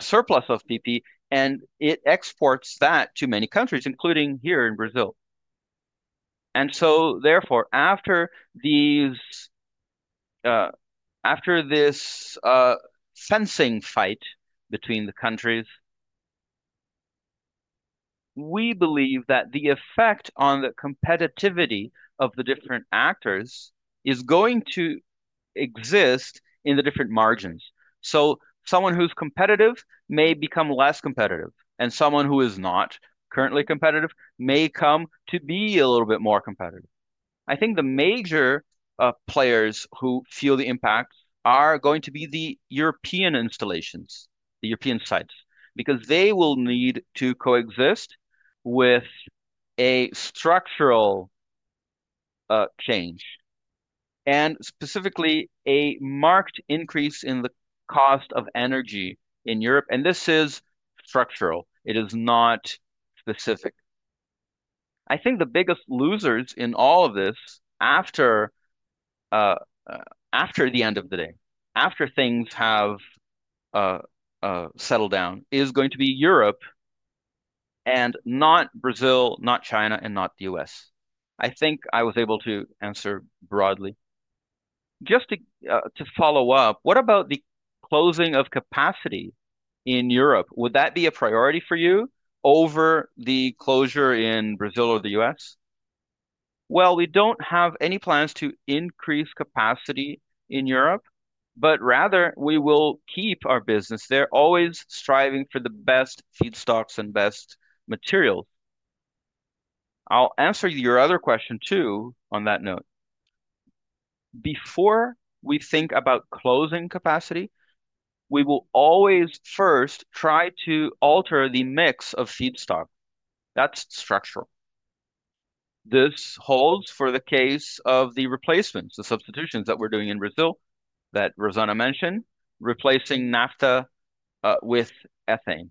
surplus of PP, and it exports that to many countries, including here in Brazil. Therefore, after this fencing fight between the countries, we believe that the effect on the competitivity of the different actors is going to exist in the different margins. Someone who's competitive may become less competitive, and someone who is not currently competitive may come to be a little bit more competitive. I think the major players who feel the impact are going to be the European installations, the European sites, because they will need to coexist with a structural change and specifically a marked increase in the cost of energy in Europe. This is structural. It is not specific. I think the biggest losers in all of this after the end of the day, after things have settled down, is going to be Europe and not Brazil, not China, and not the U.S. I think I was able to answer broadly. Just to follow up, what about the closing of capacity in Europe? Would that be a priority for you over the closure in Brazil or the U.S.? We do not have any plans to increase capacity in Europe, but rather we will keep our business there, always striving for the best feedstocks and best materials. I'll answer your other question too on that note. Before we think about closing capacity, we will always first try to alter the mix of feedstock. That's structural. This holds for the case of the replacements, the substitutions that we're doing in Brazil that Rosana mentioned, replacing nafta with ethane.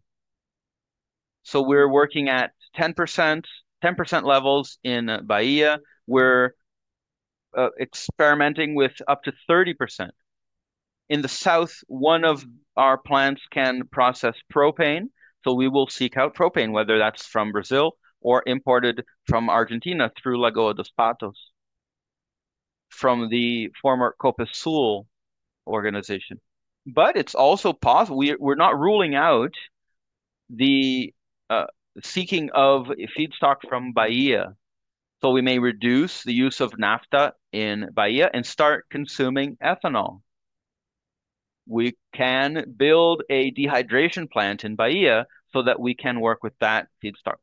We're working at 10% levels in Bahia. We're experimenting with up to 30%. In the south, one of our plants can process propane, so we will seek out propane, whether that's from Brazil or imported from Argentina through Lagoa dos Patos, from the former Copasul organization. It's also possible we're not ruling out the seeking of feedstock from Bahia. We may reduce the use of nafta in Bahia and start consuming ethanol. We can build a dehydration plant in Bahia so that we can work with that feedstock.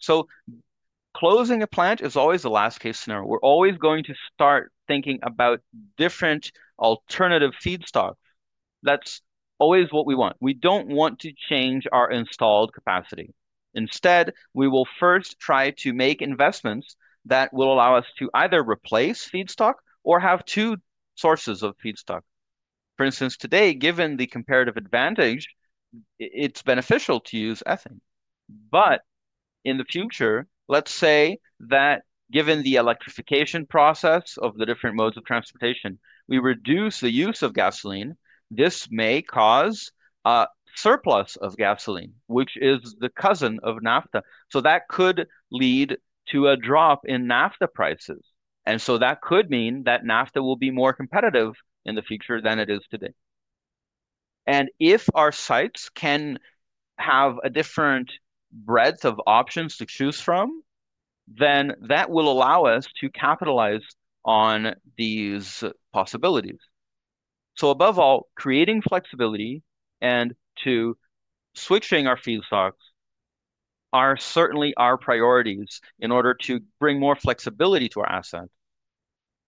Closing a plant is always the last case scenario. We're always going to start thinking about different alternative feedstocks. That's always what we want. We don't want to change our installed capacity. Instead, we will first try to make investments that will allow us to either replace feedstock or have two sources of feedstock. For instance, today, given the comparative advantage, it's beneficial to use ethane. In the future, let's say that given the electrification process of the different modes of transportation, we reduce the use of gasoline, this may cause a surplus of gasoline, which is the cousin of nafta. That could lead to a drop in nafta prices. That could mean that nafta will be more competitive in the future than it is today. If our sites can have a different breadth of options to choose from, that will allow us to capitalize on these possibilities. Above all, creating flexibility and switching our feedstocks are certainly our priorities in order to bring more flexibility to our asset.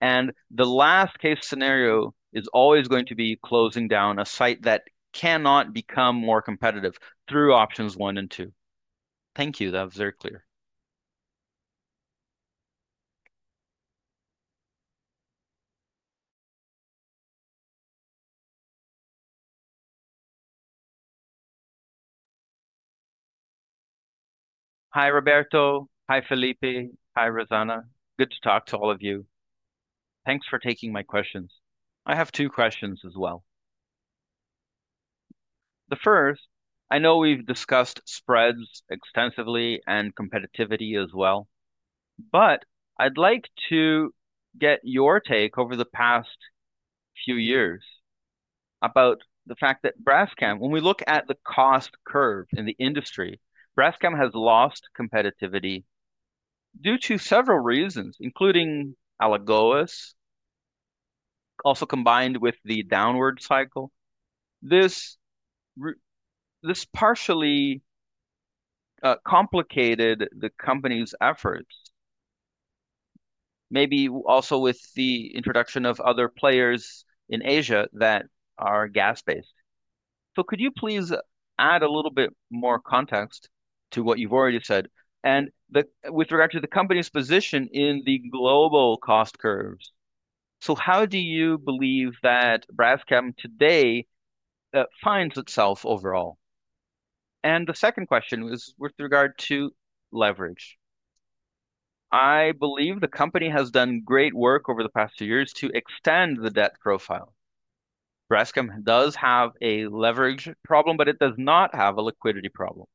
The last case scenario is always going to be closing down a site that cannot become more competitive through options one and two. Thank you. That was very clear. Hi, Roberto. Hi, Felipe. Hi, Rosana. Good to talk to all of you. Thanks for taking my questions. I have two questions as well. The first, I know we've discussed spreads extensively and competitivity as well, but I'd like to get your take over the past few years about the fact that Braskem, when we look at the cost curve in the industry, Braskem has lost competitivity due to several reasons, including Alagoas, also combined with the downward cycle. This partially complicated the company's efforts, maybe also with the introduction of other players in Asia that are gas-based. Could you please add a little bit more context to what you've already said with regard to the company's position in the global cost curves? How do you believe that Braskem today finds itself overall? The second question was with regard to leverage. I believe the company has done great work over the past two years to extend the debt profile. Braskem does have a leverage problem, but it does not have a liquidity problem.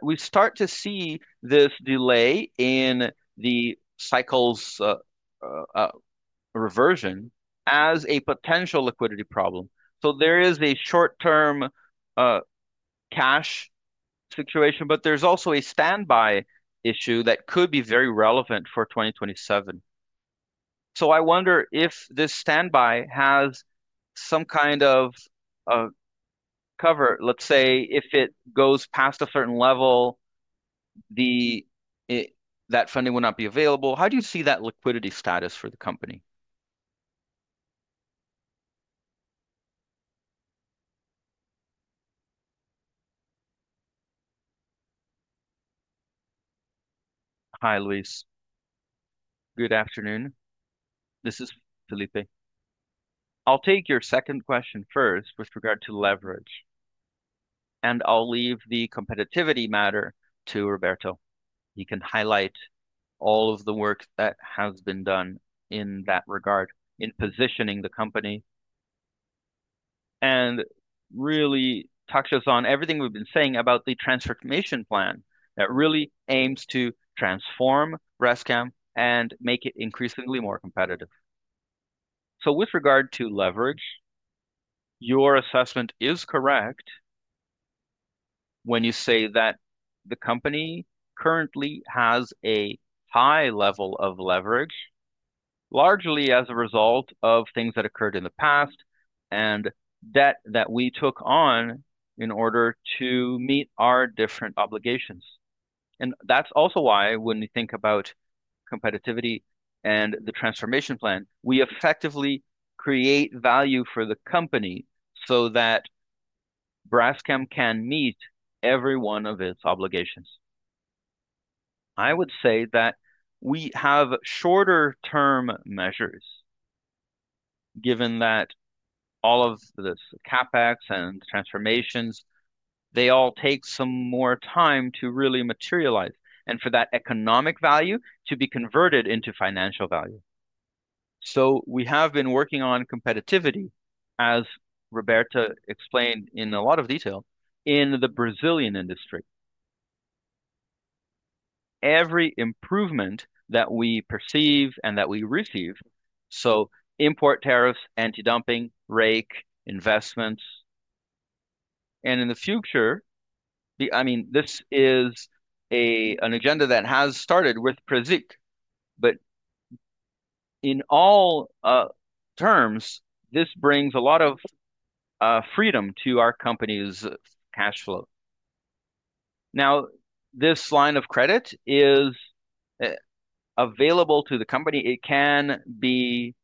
We start to see this delay in the cycle's reversion as a potential liquidity problem. There is a short-term cash situation, but there's also a standby issue that could be very relevant for 2027. I wonder if this standby has some kind of cover. Let's say if it goes past a certain level, that funding will not be available. How do you see that liquidity status for the company? Hi, Luiz. Good afternoon. This is Felipe. I'll take your second question first with regard to leverage, and I'll leave the competitivity matter to Roberto. He can highlight all of the work that has been done in that regard in positioning the company and really touch us on everything we've been saying about the transformation plan that really aims to transform Braskem and make it increasingly more competitive. With regard to leverage, your assessment is correct when you say that the company currently has a high level of leverage, largely as a result of things that occurred in the past and debt that we took on in order to meet our different obligations. That's also why when we think about competitivity and the transformation plan, we effectively create value for the company so that Braskem can meet every one of its obligations. I would say that we have shorter-term measures, given that all of this CapEx and transformations, they all take some more time to really materialize and for that economic value to be converted into financial value. So we have been working on competitivity, as Roberto explained in a lot of detail, in the Brazilian industry. Every improvement that we perceive and that we receive, so import tariffs, anti-dumping, REIQ, investments. And in the future, I mean, this is an agenda that has started with PRESIQ, but in all terms, this brings a lot of freedom to our company's cash flow. Now, this line of credit is available to the company. It can be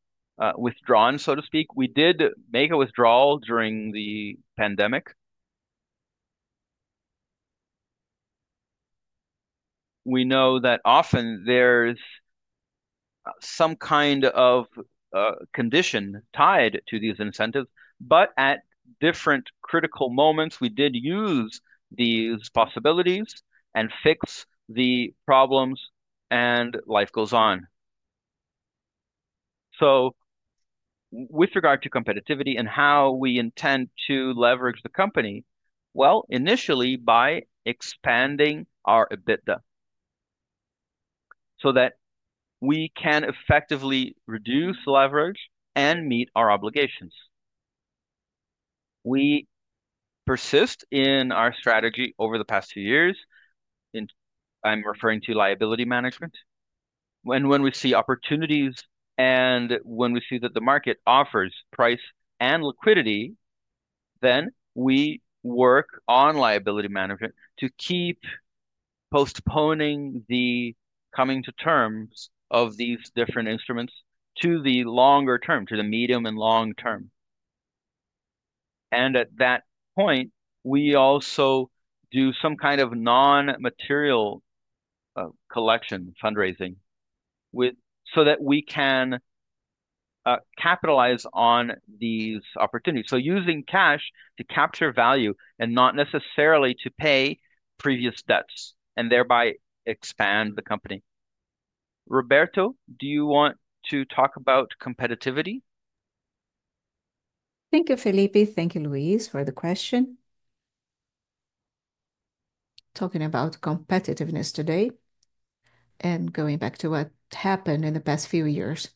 withdrawn, so to speak. We did make a withdrawal during the pandemic. We know that often there's some kind of condition tied to these incentives, but at different critical moments, we did use these possibilities and fix the problems, and life goes on. With regard to competitivity and how we intend to leverage the company, initially by expanding our EBITDA so that we can effectively reduce leverage and meet our obligations. We persist in our strategy over the past two years. I'm referring to liability management. When we see opportunities and when we see that the market offers price and liquidity, then we work on liability management to keep postponing the coming to terms of these different instruments to the longer term, to the medium and long term. At that point, we also do some kind of non-material collection fundraising so that we can capitalize on these opportunities, using cash to capture value and not necessarily to pay previous debts and thereby expand the company. Roberto, do you want to talk about competitivity? Thank you, Felipe. Thank you, Luiz, for the question. Talking about competitiveness today and going back to what happened in the past few years.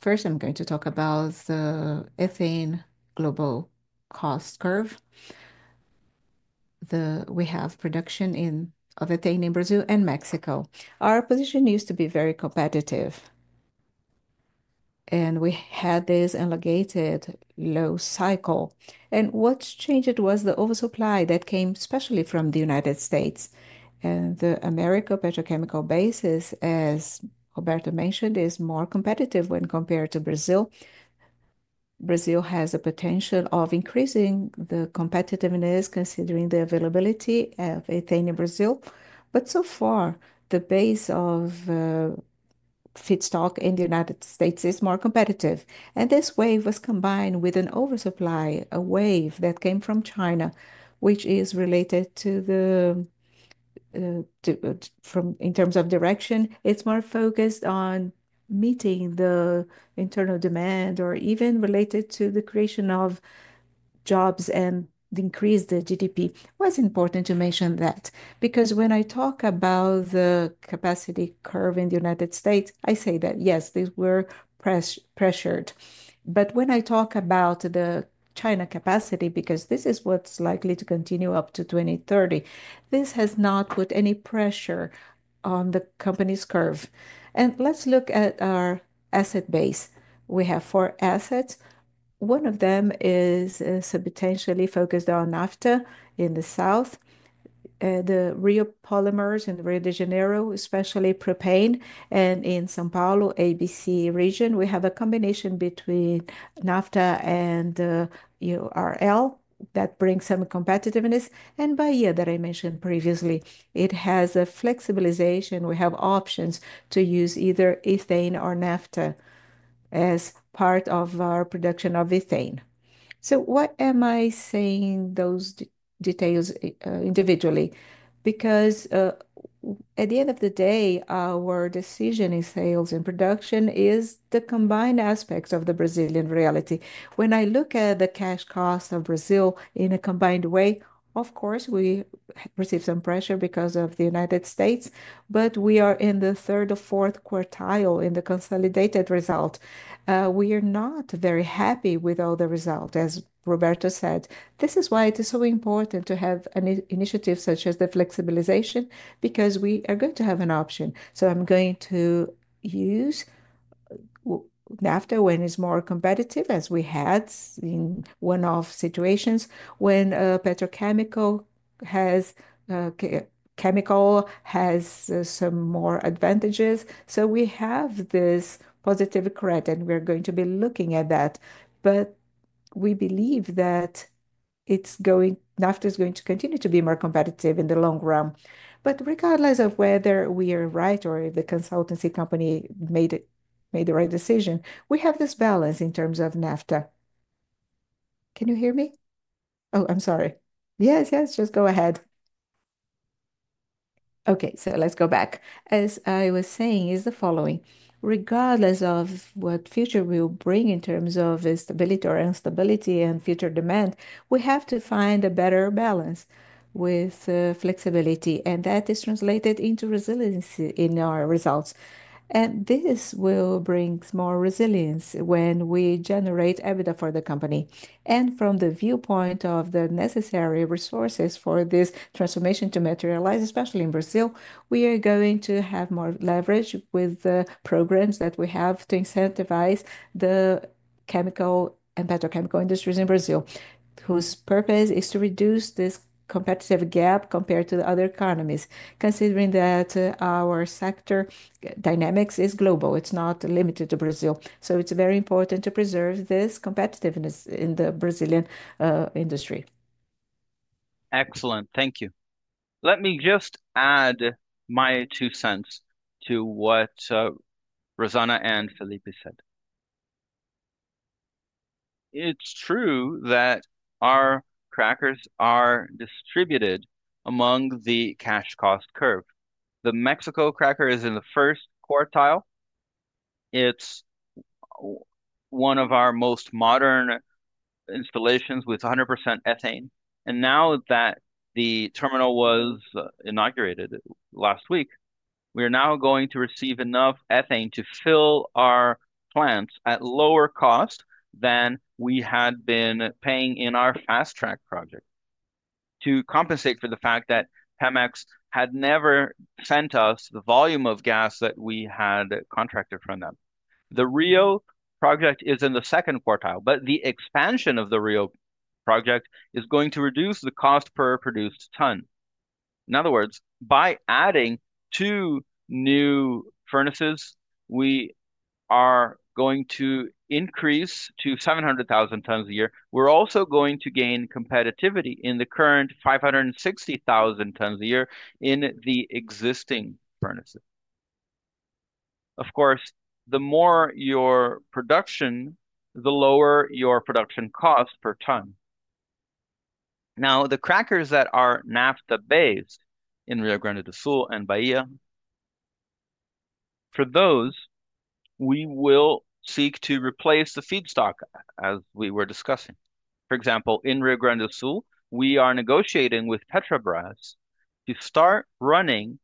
First, I'm going to talk about the ethane global cost curve. We have production of ethane in Brazil and Mexico. Our position used to be very competitive, and we had this elongated low cycle. What changed was the oversupply that came especially from the United States. The American petrochemical basis, as Roberto mentioned, is more competitive when compared to Brazil. Brazil has a potential of increasing the competitiveness considering the availability of ethane in Brazil. So far, the base of feedstock in the United States is more competitive. This wave was combined with an oversupply, a wave that came from China, which is related to, in terms of direction, it is more focused on meeting the internal demand or even related to the creation of jobs and increasing the GDP. It was important to mention that because when I talk about the capacity curve in the United States, I say that, yes, they were pressured. When I talk about the China capacity, because this is what is likely to continue up to 2030, this has not put any pressure on the company's curve. Let's look at our asset base. We have four assets. One of them is substantially focused on nafta in the south, the Rio Polymers and Rio de Janeiro, especially propane. In São Paulo, ABC region, we have a combination between nafta and RL that brings some competitiveness. In Bahia that I mentioned previously, it has a flexibilization. We have options to use either ethane or nafta as part of our production of ethane. What am I saying those details individually? Because at the end of the day, our decision in sales and production is the combined aspects of the Brazilian reality. When I look at the cash cost of Brazil in a combined way, of course, we receive some pressure because of the United States, but we are in the third or fourth quartile in the consolidated result. We are not very happy with all the result, as Roberto said. This is why it is so important to have an initiative such as the flexibilization, because we are going to have an option. I'm going to use nafta when it's more competitive, as we had in one of situations when petrochemical has some more advantages. We have this positive cred, and we're going to be looking at that. We believe that nafta is going to continue to be more competitive in the long run. Regardless of whether we are right or if the consultancy company made the right decision, we have this balance in terms of nafta. Can you hear me? Oh, I'm sorry. Yes, yes. Just go ahead. Okay, let's go back. As I was saying, is the following. Regardless of what future we'll bring in terms of stability or instability and future demand, we have to find a better balance with flexibility. That is translated into resiliency in our results. This will bring more resilience when we generate EBITDA for the company. From the viewpoint of the necessary resources for this transformation to materialize, especially in Brazil, we are going to have more leverage with the programs that we have to incentivize the chemical and petrochemical industries in Brazil, whose purpose is to reduce this competitive gap compared to the other economies, considering that our sector dynamics is global. It is not limited to Brazil. It is very important to preserve this competitiveness in the Brazilian industry. Excellent. Thank you. Let me just add my two cents to what Rosana and Felipe said. It is true that our crackers are distributed among the cash cost curve. The Mexico cracker is in the first quartile. It is one of our most modern installations with 100% ethane. Now that the terminal was inaugurated last week, we are now going to receive enough ethane to fill our plants at lower cost than we had been paying in our fast track project to compensate for the fact that PEMEX had never sent us the volume of gas that we had contracted from them. The Rio project is in the second quartile, but the expansion of the Rio project is going to reduce the cost per produced ton. In other words, by adding two new furnaces, we are going to increase to 700,000 tons a year. We're also going to gain competitivity in the current 560,000 tons a year in the existing furnaces. Of course, the more your production, the lower your production cost per ton. Now, the crackers that are nafta-based in Rio Grande do Sul and Bahia, for those, we will seek to replace the feedstock, as we were discussing. For example, in Rio Grande do Sul, we are negotiating with Petrobras to start running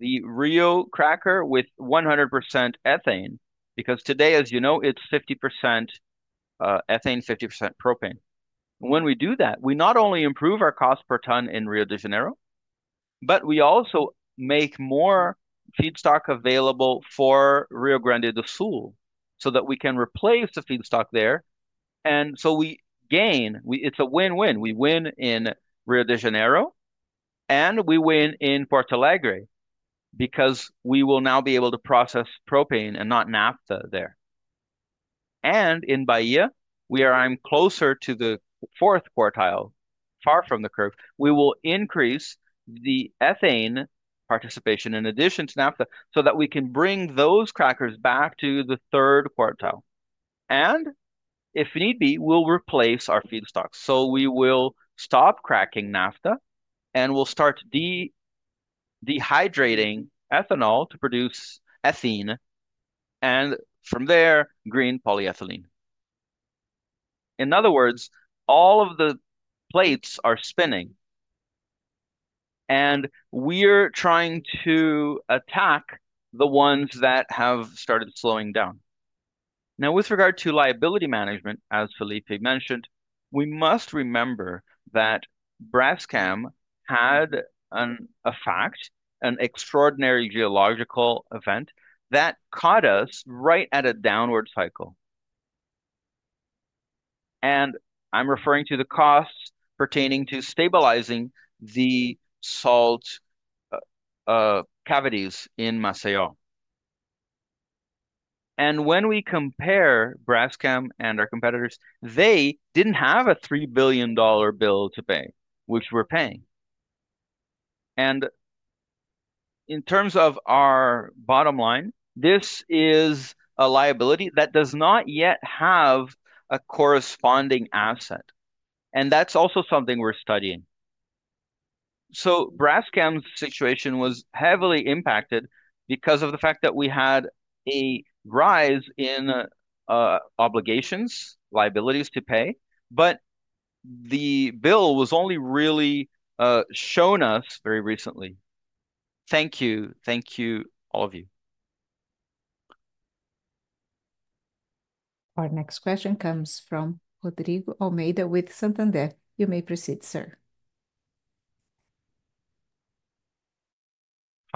the Rio cracker with 100% ethane because today, as you know, it's 50% ethane, 50% propane. When we do that, we not only improve our cost per ton in Rio de Janeiro, but we also make more feedstock available for Rio Grande do Sul so that we can replace the feedstock there. We gain, it's a win-win. We win in Rio de Janeiro, and we win in Porto Alegre because we will now be able to process propane and not nafta there. In Bahia, we are closer to the fourth quartile, far from the curve. We will increase the ethane participation in addition to nafta so that we can bring those crackers back to the third quartile. If need be, we'll replace our feedstock. We will stop cracking nafta and we'll start dehydrating ethanol to produce ethene and from there, green polyethylene. In other words, all of the plates are spinning, and we're trying to attack the ones that have started slowing down. Now, with regard to liability management, as Felipe mentioned, we must remember that Braskem had an effect, an extraordinary geological event that caught us right at a downward cycle. I'm referring to the costs pertaining to stabilizing the salt cavities in Maceió. When we compare Braskem and our competitors, they didn't have a $3 billion bill to pay, which we're paying. In terms of our bottom line, this is a liability that does not yet have a corresponding asset. That is also something we are studying. Braskem's situation was heavily impacted because of the fact that we had a rise in obligations, liabilities to pay, but the bill was only really shown to us very recently. Thank you. Thank you, all of you. Our next question comes from Rodrigo Almeida with Santander. You may proceed, sir.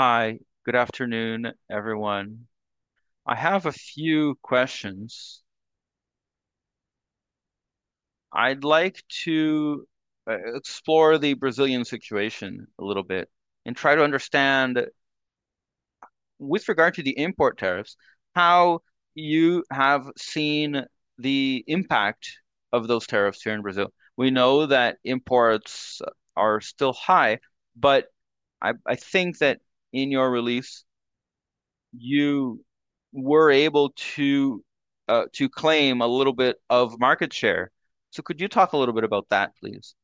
Hi. Good afternoon, everyone. I have a few questions. I would like to explore the Brazilian situation a little bit and try to understand with regard to the import tariffs how you have seen the impact of those tariffs here in Brazil. We know that imports are still high, but I think that in your release, you were able to claim a little bit of market share. Could you talk a little bit about that, please?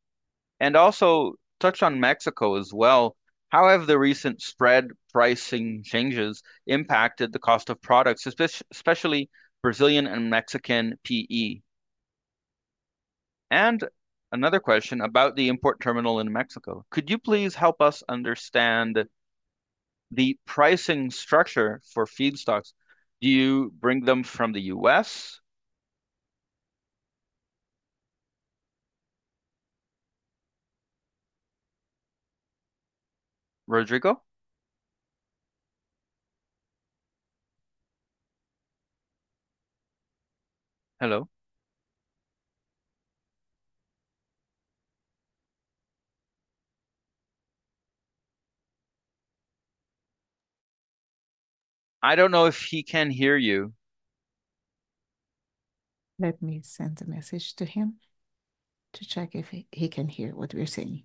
Also, touch on Mexico as well. How have the recent spread pricing changes impacted the cost of products, especially Brazilian and Mexican PE? Another question about the import terminal in Mexico. Could you please help us understand the pricing structure for feedstocks? Do you bring them from the U.S.? Rodrigo? Hello? I do not know if he can hear you. Let me send a message to him to check if he can hear what we are saying.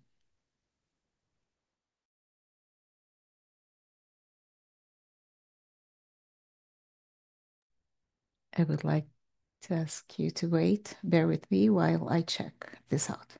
I would like to ask you to wait, bear with me while I check this out.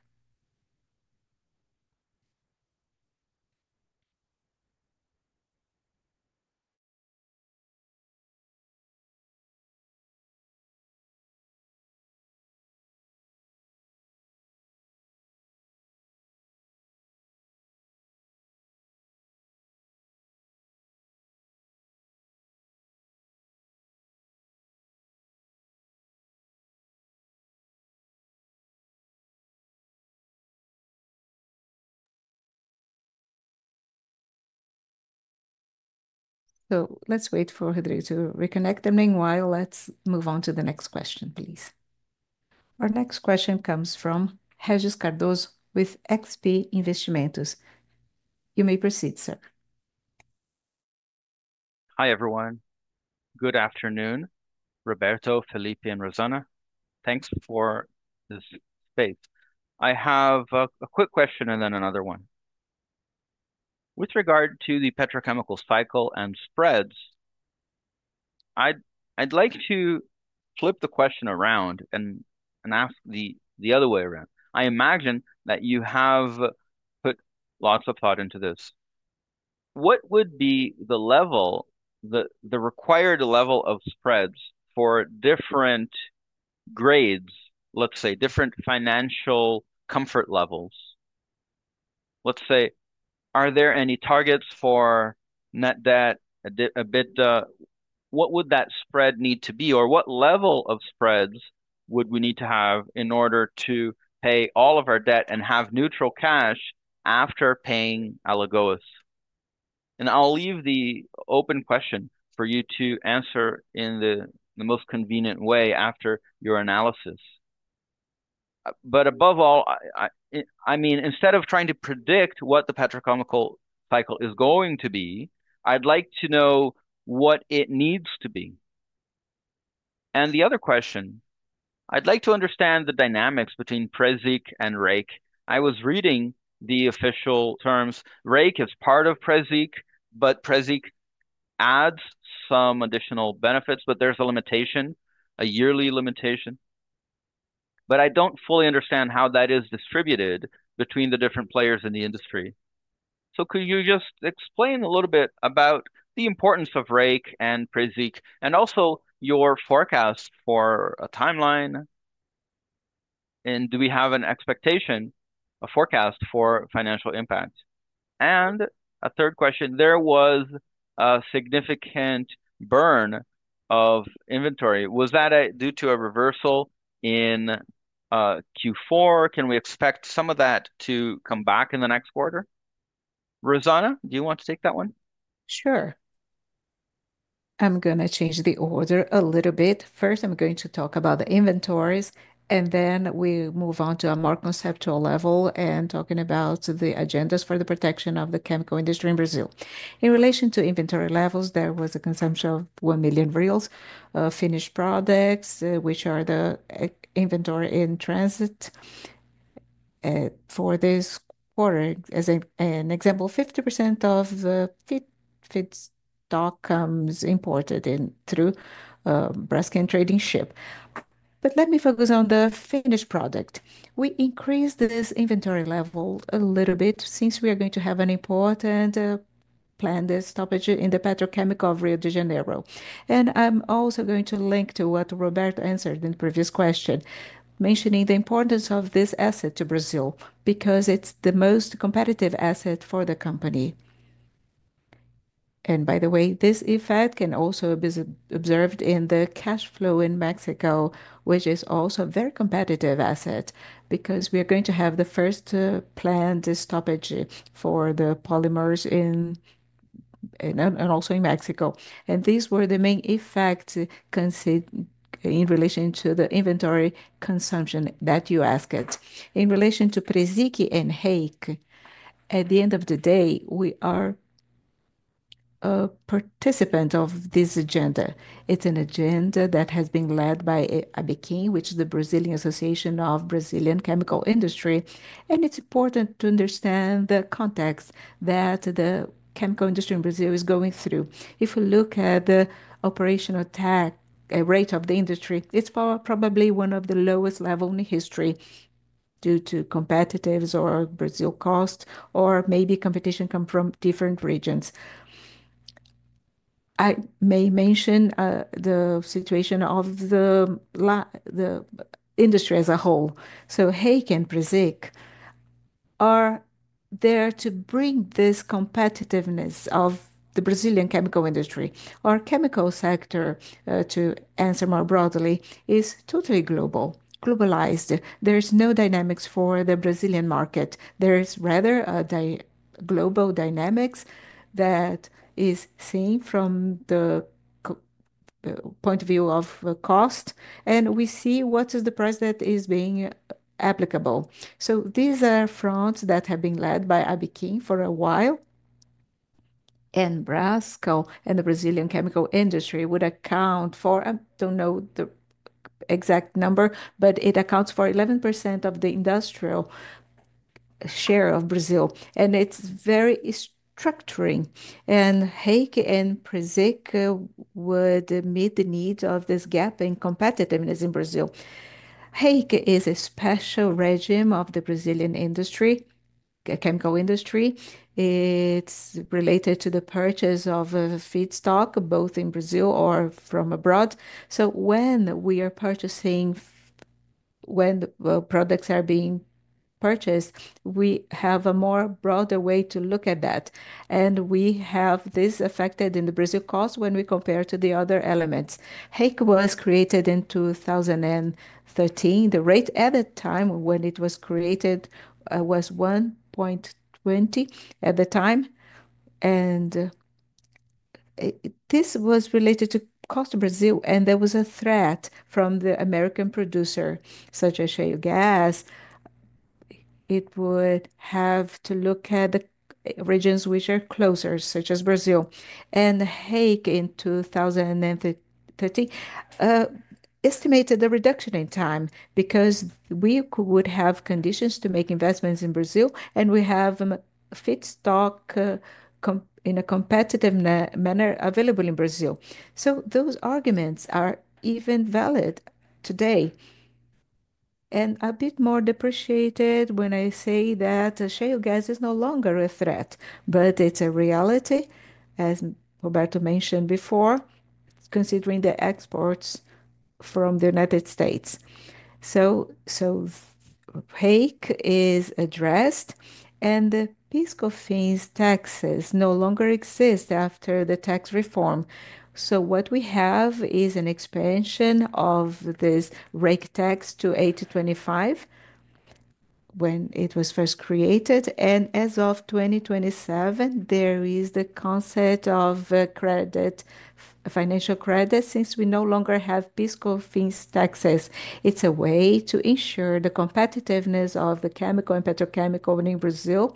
Let's wait for Rodrigo to reconnect. Meanwhile, let's move on to the next question, please. Our next question comes from Regis Cardoso with XP Investimentos. You may proceed, sir. Hi, everyone. Good afternoon, Roberto, Felipe, and Rosana. Thanks for this space. I have a quick question and then another one. With regard to the petrochemical cycle and spreads, I'd like to flip the question around and ask the other way around. I imagine that you have put lots of thought into this. What would be the required level of spreads for different grades, let's say, different financial comfort levels? Let's say, are there any targets for net debt, EBITDA? What would that spread need to be? Or what level of spreads would we need to have in order to pay all of our debt and have neutral cash after paying Alagoas? I'll leave the open question for you to answer in the most convenient way after your analysis. Above all, I mean, instead of trying to predict what the petrochemical cycle is going to be, I'd like to know what it needs to be. The other question, I'd like to understand the dynamics between PRESIQ and REIQ. I was reading the official terms. REIQ is part of PRESIQ, but PRESIQ adds some additional benefits, but there's a limitation, a yearly limitation. I don't fully understand how that is distributed between the different players in the industry. Could you just explain a little bit about the importance of REIQ and PRESIQ, and also your forecast for a timeline? Do we have an expectation, a forecast for financial impact? A third question, there was a significant burn of inventory. Was that due to a reversal in Q4? Can we expect some of that to come back in the next quarter? Rosana, do you want to take that one? Sure. I'm going to change the order a little bit. First, I'm going to talk about the inventories, and then we move on to a more conceptual level and talking about the agendas for the protection of the chemical industry in Brazil. In relation to inventory levels, there was a consumption of 1 million reels of finished products, which are the inventory in transit for this quarter. As an example, 50% of feedstock comes imported in through Braskem Trading and Shipping. But let me focus on the finished product. We increased this inventory level a little bit since we are going to have an import and plan this stoppage in the petrochemical of Rio de Janeiro. I'm also going to link to what Roberto answered in the previous question, mentioning the importance of this asset to Brazil because it's the most competitive asset for the company. By the way, this effect can also be observed in the cash flow in Mexico, which is also a very competitive asset because we are going to have the first planned stoppage for the polymers in and also in Mexico. These were the main effects in relation to the inventory consumption that you asked it. In relation to PRESIQ and REIQ, at the end of the day, we are a participant of this agenda. It's an agenda that has been led by ABIQUIM, which is the Brazilian Association of the Chemical Industry. It's important to understand the context that the chemical industry in Brazil is going through. If we look at the operational tech rate of the industry, it's probably one of the lowest levels in history due to competitors or Brazil cost or maybe competition come from different regions. I may mention the situation of the industry as a whole. REIQ and PRESIQ are there to bring this competitiveness of the Brazilian chemical industry. Our chemical sector, to answer more broadly, is totally global, globalized. There is no dynamics for the Brazilian market. There is rather a global dynamics that is seen from the point of view of cost. We see what is the price that is being applicable. These are fronts that have been led by ABIQUIM for a while. Braskem and the Brazilian chemical industry would account for, I do not know the exact number, but it accounts for 11% of the industrial share of Brazil. It is very structuring. REIQ and PRESIQ would meet the needs of this gap in competitiveness in Brazil. REIQ is a special regime of the Brazilian industry, chemical industry. It's related to the purchase of feedstock, both in Brazil or from abroad. When we are purchasing, when products are being purchased, we have a more broad way to look at that. We have this affected in the Brazil cost when we compare to the other elements. REIQ was created in 2013. The rate at the time when it was created was 1.20 at the time. This was related to cost of Brazil. There was a threat from the American producer, such as [shale gas]. It would have to look at the regions which are closer, such as Brazil. REIQ in 2013 estimated the reduction in time because we would have conditions to make investments in Brazil, and we have feedstock in a competitive manner available in Brazil. Those arguments are even valid today. A bit more depreciated when I say that [shale gas] is no longer a threat, but it's a reality, as Roberto mentioned before, considering the exports from the United States. REIQ is addressed, and the fiscal fees taxes no longer exist after the tax reform. What we have is an expansion of this REIQ tax to 825 when it was first created. As of 2027, there is the concept of credit, financial credit, since we no longer have fiscal fees taxes. It's a way to ensure the competitiveness of the chemical and petrochemical in Brazil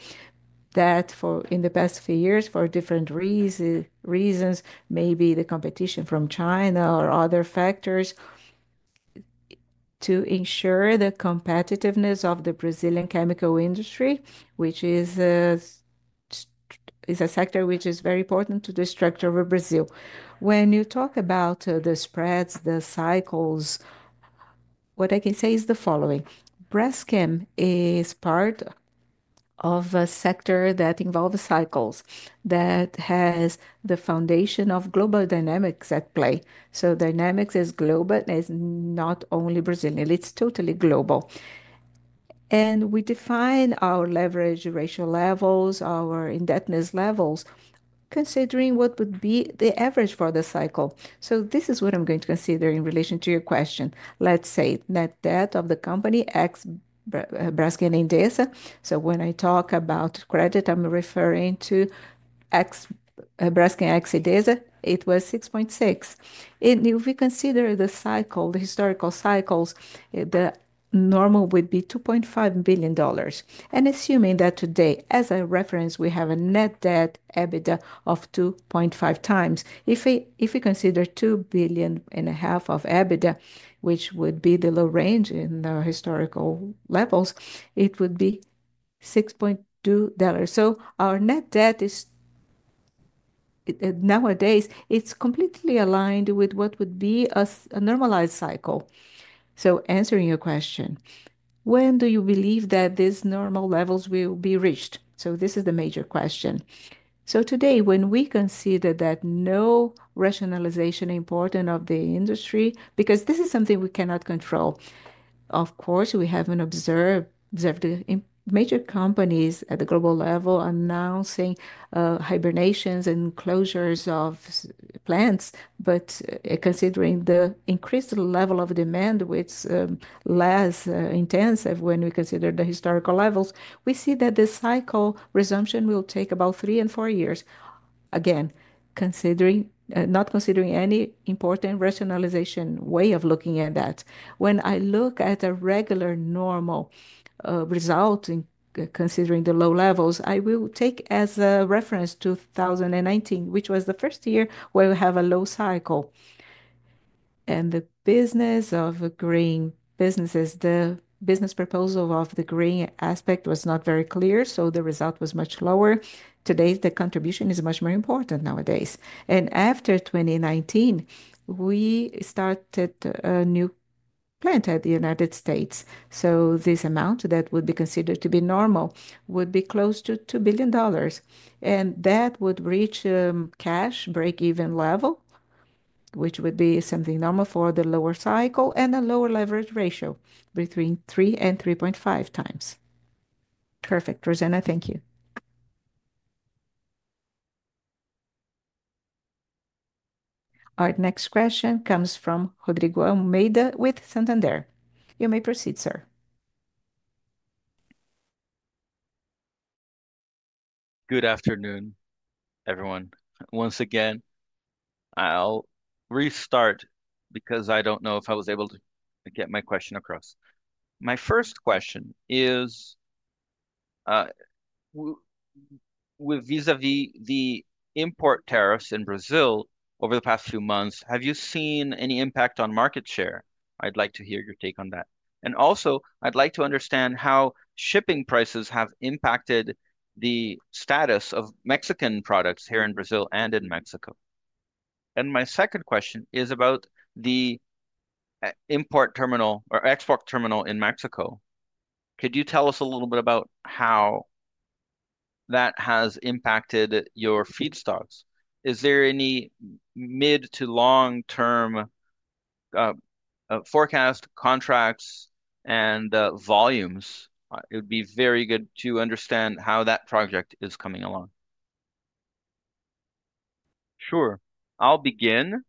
that for in the past few years, for different reasons, maybe the competition from China or other factors, to ensure the competitiveness of the Brazilian chemical industry, which is a sector which is very important to the structure of Brazil. When you talk about the spreads, the cycles, what I can say is the following. Braskem is part of a sector that involves cycles that has the foundation of global dynamics at play. Dynamics is global, is not only Brazilian. It is totally global. We define our leverage ratio levels, our indebtedness levels, considering what would be the average for the cycle. This is what I am going to consider in relation to your question. Let's say net debt of the company ex Braskem Idesa. When I talk about credit, I am referring to ex Braskem Idesa. It was 6.6. If we consider the cycle, the historical cycles, the normal would be $2.5 billion. Assuming that today, as a reference, we have a net debt EBITDA of 2.5x. If we consider $2.5 billion and a half of EBITDA, which would be the low range in the historical levels, it would be $6.2. Our net debt is nowadays, it's completely aligned with what would be a normalized cycle. Answering your question, when do you believe that these normal levels will be reached? This is the major question. Today, when we consider that no rationalization important of the industry, because this is something we cannot control, of course, we haven't observed the major companies at the global level announcing hibernations and closures of plants. Considering the increased level of demand, which is less intensive when we consider the historical levels, we see that the cycle resumption will take about three and four years. Again, not considering any important rationalization way of looking at that. When I look at a regular normal result in considering the low levels, I will take as a reference 2019, which was the first year where we have a low cycle. The business of green businesses, the business proposal of the green aspect was not very clear. The result was much lower. Today, the contribution is much more important nowadays. After 2019, we started a new plant at the United States. This amount that would be considered to be normal would be close to $2 billion. That would reach a cash break-even level, which would be something normal for the lower cycle and a lower leverage ratio between 3-3.5x. Perfect. Rosana, thank you. Our next question comes from Rodrigo Almeida with Santander. You may proceed, sir. Good afternoon, everyone. Once again, I'll restart because I don't know if I was able to get my question across. My first question is, with vis-à-vis the import tariffs in Brazil over the past few months, have you seen any impact on market share? I'd like to hear your take on that. I would also like to understand how shipping prices have impacted the status of Mexican products here in Brazil and in Mexico. My second question is about the import terminal or export terminal in Mexico. Could you tell us a little bit about how that has impacted your feedstocks? Is there any mid to long-term forecast contracts and volumes? It would be very good to understand how that project is coming along. Sure. I'll begin,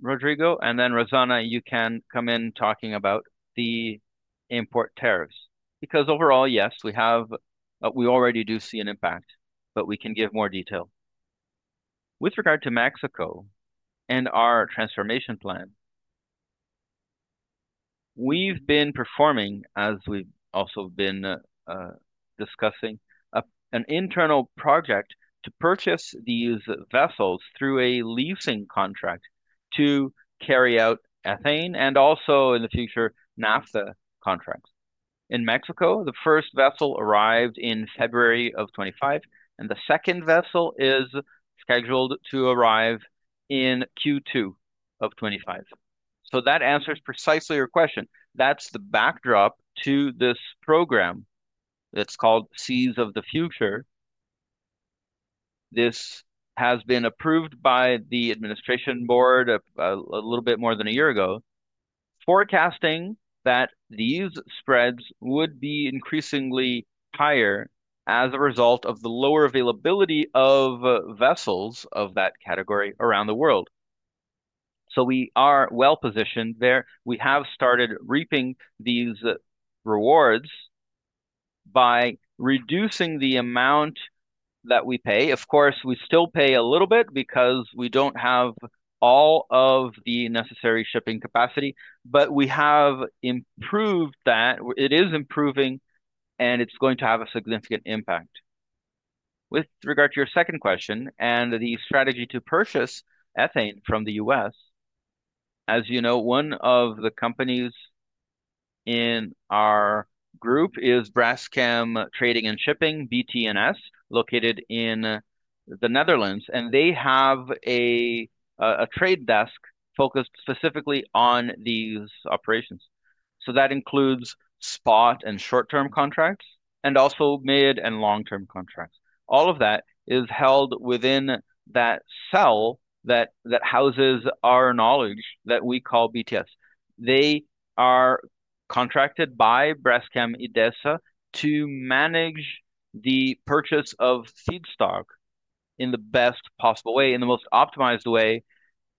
Rodrigo, and then Rosana, you can come in talking about the import tariffs. Because overall, yes, we have, we already do see an impact, but we can give more detail. With regard to Mexico and our transformation plan, we've been performing, as we've also been discussing, an internal project to purchase these vessels through a leasing contract to carry out ethane and also in the future nafta contracts. In Mexico, the first vessel arrived in February of 2025, and the second vessel is scheduled to arrive in Q2 of 2025. That answers precisely your question. That's the backdrop to this program. It's called Seas of the Future. This has been approved by the administration board a little bit more than a year ago, forecasting that these spreads would be increasingly higher as a result of the lower availability of vessels of that category around the world. We are well positioned there. We have started reaping these rewards by reducing the amount that we pay. Of course, we still pay a little bit because we do not have all of the necessary shipping capacity, but we have improved that. It is improving, and it is going to have a significant impact. With regard to your second question and the strategy to purchase ethane from the U.S., as you know, one of the companies in our group is Braskem Trading and Shipping, BT&S, located in the Netherlands. They have a trade desk focused specifically on these operations. That includes spot and short-term contracts and also mid and long-term contracts. All of that is held within that cell that houses our knowledge that we call BT&S. They are contracted by Braskem Idesa to manage the purchase of feedstock in the best possible way, in the most optimized way,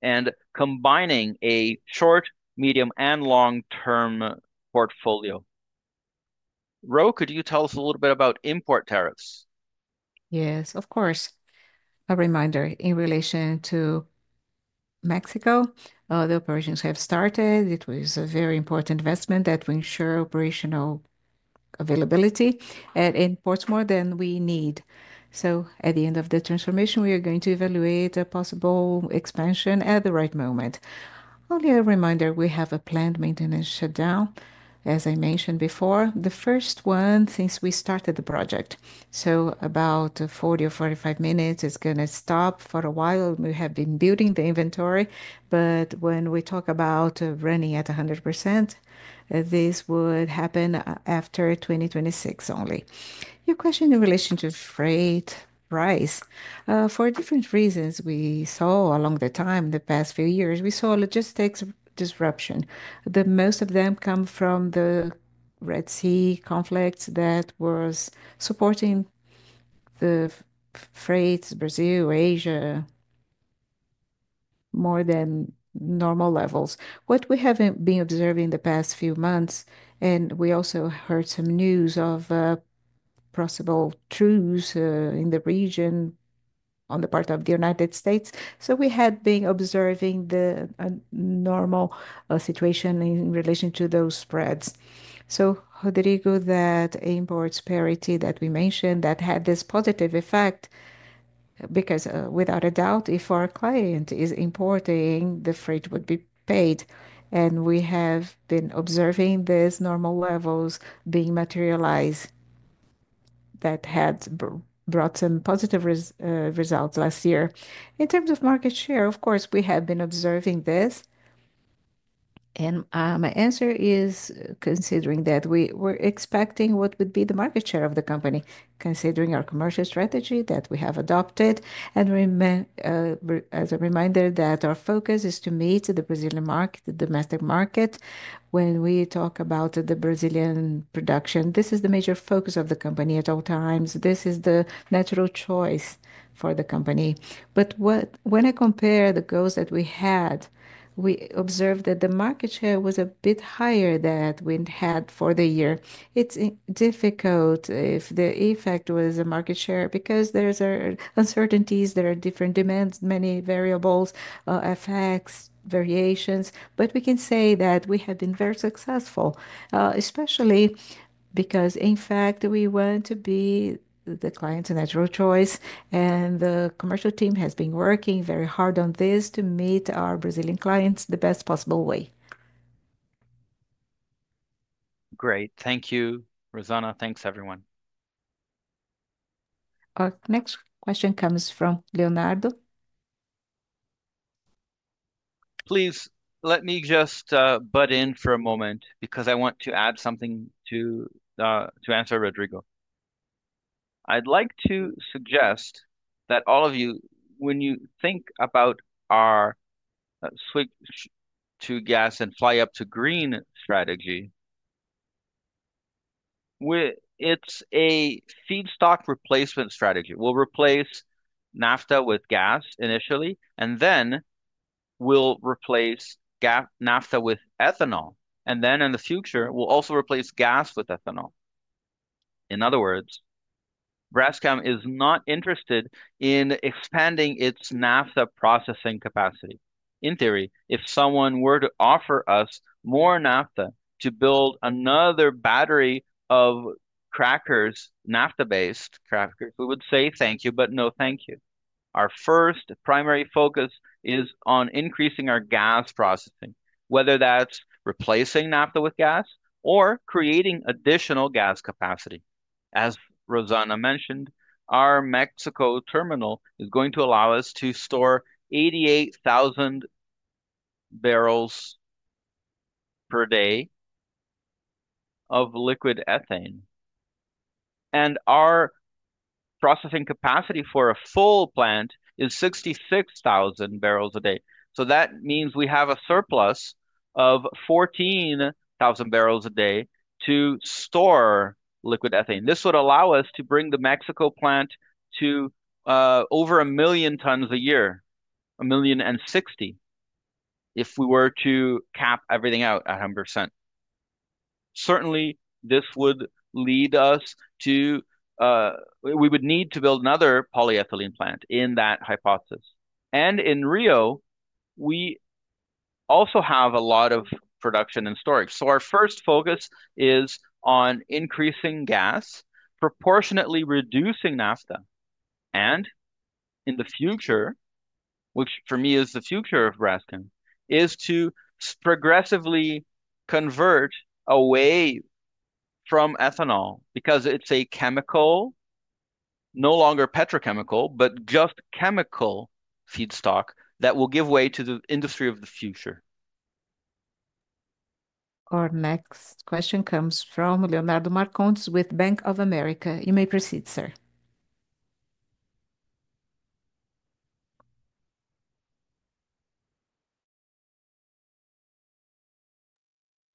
and combining a short, medium, and long-term portfolio. Ro, could you tell us a little bit about import tariffs? Yes, of course. A reminder in relation to Mexico, the operations have started. It was a very important investment that we ensure operational availability and imports more than we need. At the end of the transformation, we are going to evaluate a possible expansion at the right moment. Only a reminder, we have a planned maintenance shutdown, as I mentioned before, the first one since we started the project. For about 40-45 minutes, it is going to stop for a while. We have been building the inventory, but when we talk about running at 100%, this would happen after 2026 only. Your question in relation to freight price, for different reasons we saw along the time, the past few years, we saw logistics disruption. Most of them come from the Red Sea conflict that was supporting the freights Brazil-Asia more than normal levels. What we have been observing the past few months, we also heard some news of possible truce in the region on the part of the United States. We had been observing the normal situation in relation to those spreads. Rodrigo, that import parity that we mentioned, that had this positive effect because without a doubt, if our client is importing, the freight would be paid. We have been observing these normal levels being materialized that had brought some positive results last year. In terms of market share, of course, we have been observing this. My answer is considering that we were expecting what would be the market share of the company, considering our commercial strategy that we have adopted. As a reminder, our focus is to meet the Brazilian market, the domestic market. When we talk about the Brazilian production, this is the major focus of the company at all times. This is the natural choice for the company. When I compare the goals that we had, we observed that the market share was a bit higher than we had for the year. It's difficult if the effect was a market share because there are uncertainties, there are different demands, many variables, effects, variations. We can say that we have been very successful, especially because in fact, we want to be the client's natural choice. The commercial team has been working very hard on this to meet our Brazilian clients the best possible way. Great. Thank you, Rosana. Thanks, everyone. Our next question comes from Leonardo. Please let me just butt in for a moment because I want to add something to answer Rodrigo. I'd like to suggest that all of you, when you think about our switch to gas and Fly Up to Green strategy, it's a feedstock replacement strategy. We'll replace nafta with gas initially, and then we'll replace nafta with ethanol. And then in the future, we'll also replace gas with ethanol. In other words, Braskem is not interested in expanding its nafta processing capacity. In theory, if someone were to offer us more nafta to build another battery of crackers, nafta-based crackers, we would say thank you, but no thank you. Our first primary focus is on increasing our gas processing, whether that's replacing nafta with gas or creating additional gas capacity. As Rosana mentioned, our Mexico terminal is going to allow us to store 88,000 barrels per day of liquid ethane. And our processing capacity for a full plant is 66,000 barrels a day. That means we have a surplus of 14,000 barrels a day to store liquid ethane. This would allow us to bring the Mexico plant to over 1 million tons a year, 1 million and 60 if we were to cap everything out at 100%. Certainly, this would lead us to we would need to build another polyethylene plant in that hypothesis. In Rio, we also have a lot of production and storage. Our first focus is on increasing gas, proportionately reducing nafta. In the future, which for me is the future of Braskem, is to progressively convert away from ethanol because it is a chemical, no longer petrochemical, but just chemical feedstock that will give way to the industry of the future. Our next question comes from Leonardo Marcondes with Bank of America. You may proceed, sir.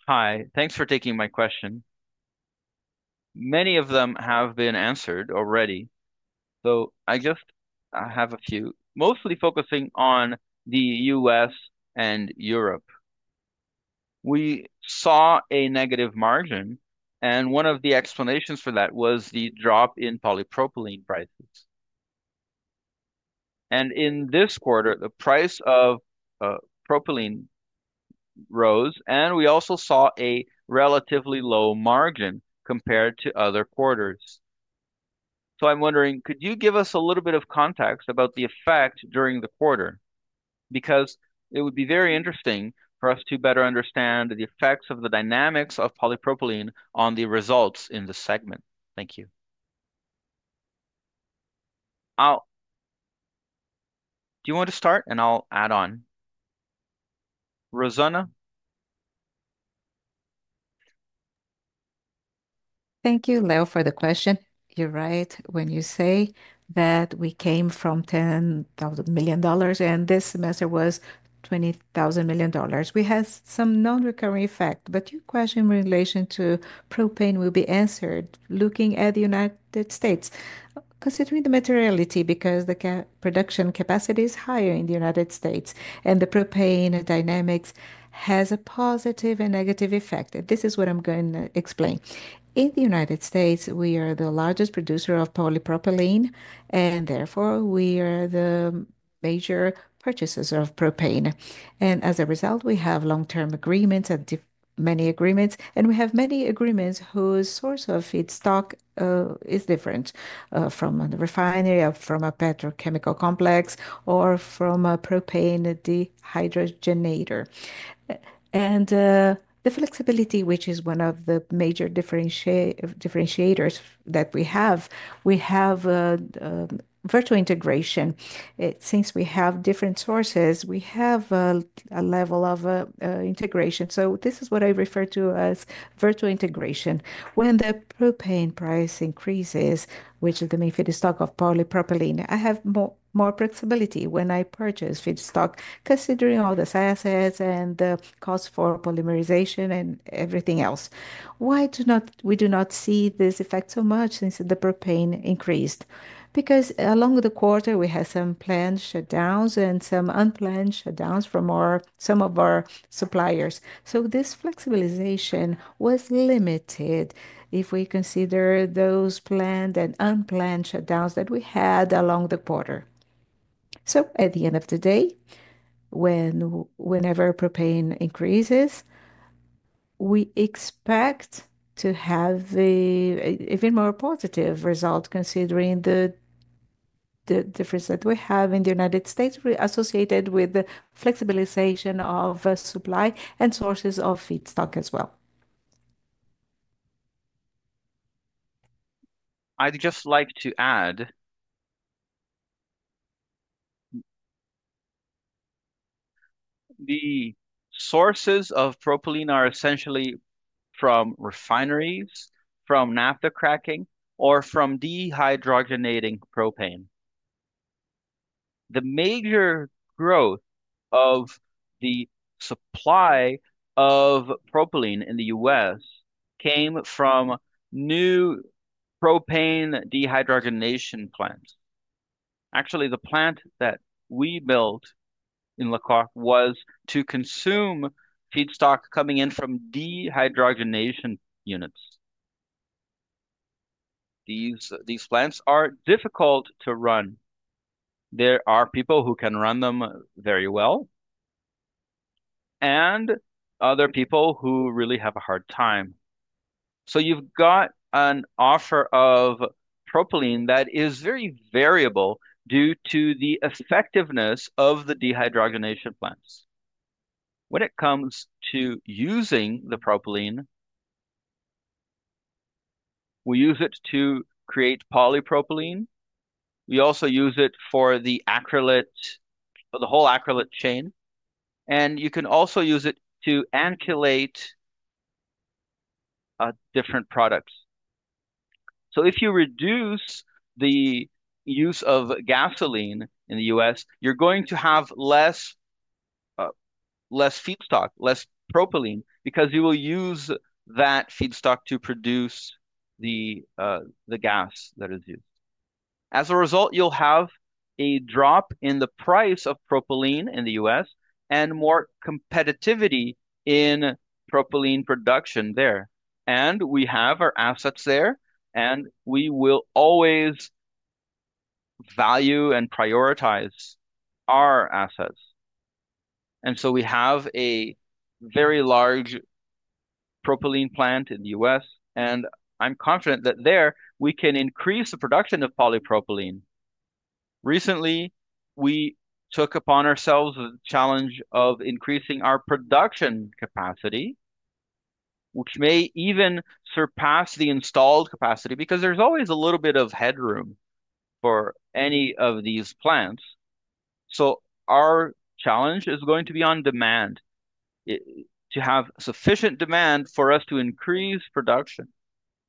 Hi. Thanks for taking my question. Many of them have been answered already. I just have a few, mostly focusing on the U.S. and Europe. We saw a negative margin, and one of the explanations for that was the drop in polypropylene prices. In this quarter, the price of propylene rose, and we also saw a relatively low margin compared to other quarters. I am wondering, could you give us a little bit of context about the effect during the quarter? Because it would be very interesting for us to better understand the effects of the dynamics of polypropylene on the results in the segment. Thank you. Do you want to start, and I'll add on? Rosana? Thank you, Leo, for the question. You're right when you say that we came from $10,000 million, and this semester was $20,000 million. We had some non-recurring effect, but your question in relation to propane will be answered looking at the United States. Considering the materiality, because the production capacity is higher in the United States, and the propane dynamics has a positive and negative effect. This is what I'm going to explain. In the United States, we are the largest producer of polypropylene, and therefore, we are the major purchasers of propane. As a result, we have long-term agreements and many agreements, and we have many agreements whose source of feedstock is different from a refinery, from a petrochemical complex, or from a propane dehydrogenator. The flexibility, which is one of the major differentiators that we have, we have virtual integration. Since we have different sources, we have a level of integration. This is what I refer to as virtual integration. When the propane price increases, which is the main feedstock of polypropylene, I have more flexibility when I purchase feedstock, considering all the assets and the cost for polymerization and everything else. Why do we not see this effect so much since the propane increased? Because along the quarter, we had some planned shutdowns and some unplanned shutdowns from some of our suppliers. This flexibilization was limited if we consider those planned and unplanned shutdowns that we had along the quarter. At the end of the day, whenever propane increases, we expect to have an even more positive result considering the difference that we have in the United States associated with the flexibilization of supply and sources of feedstock as well. I'd just like to add the sources of propylene are essentially from refineries, from naphtha cracking, or from dehydrogenating propane. The major growth of the supply of propylene in the U.S. came from new propane dehydrogenation plants. Actually, the plant that we built in [Lake Charles] was to consume feedstock coming in from dehydrogenation units. These plants are difficult to run. There are people who can run them very well and other people who really have a hard time. You've got an offer of propylene that is very variable due to the effectiveness of the dehydrogenation plants. When it comes to using the propylene, we use it to create polypropylene. We also use it for the acrylic, for the whole acrylic chain. You can also use it to alkylate different products. If you reduce the use of gasoline in the U.S., you're going to have less feedstock, less propylene, because you will use that feedstock to produce the gas that is used. As a result, you'll have a drop in the price of propylene in the U.S. and more competitiveness in propylene production there. We have our assets there, and we will always value and prioritize our assets. We have a very large propylene plant in the U.S., and I'm confident that there we can increase the production of polypropylene. Recently, we took upon ourselves the challenge of increasing our production capacity, which may even surpass the installed capacity because there's always a little bit of headroom for any of these plants. Our challenge is going to be on demand, to have sufficient demand for us to increase production,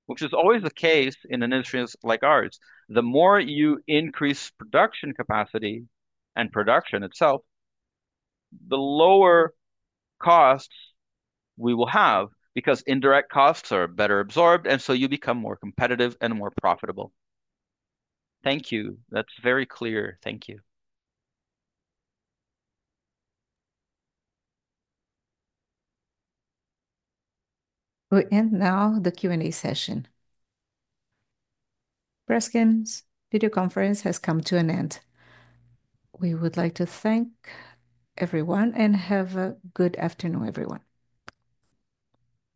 which is always the case in industries like ours. The more you increase production capacity and production itself, the lower costs we will have because indirect costs are better absorbed, and you become more competitive and more profitable. Thank you. That's very clear. Thank you. We'll end now the Q&A session. Braskem's video conference has come to an end. We would like to thank everyone and have a good afternoon, everyone.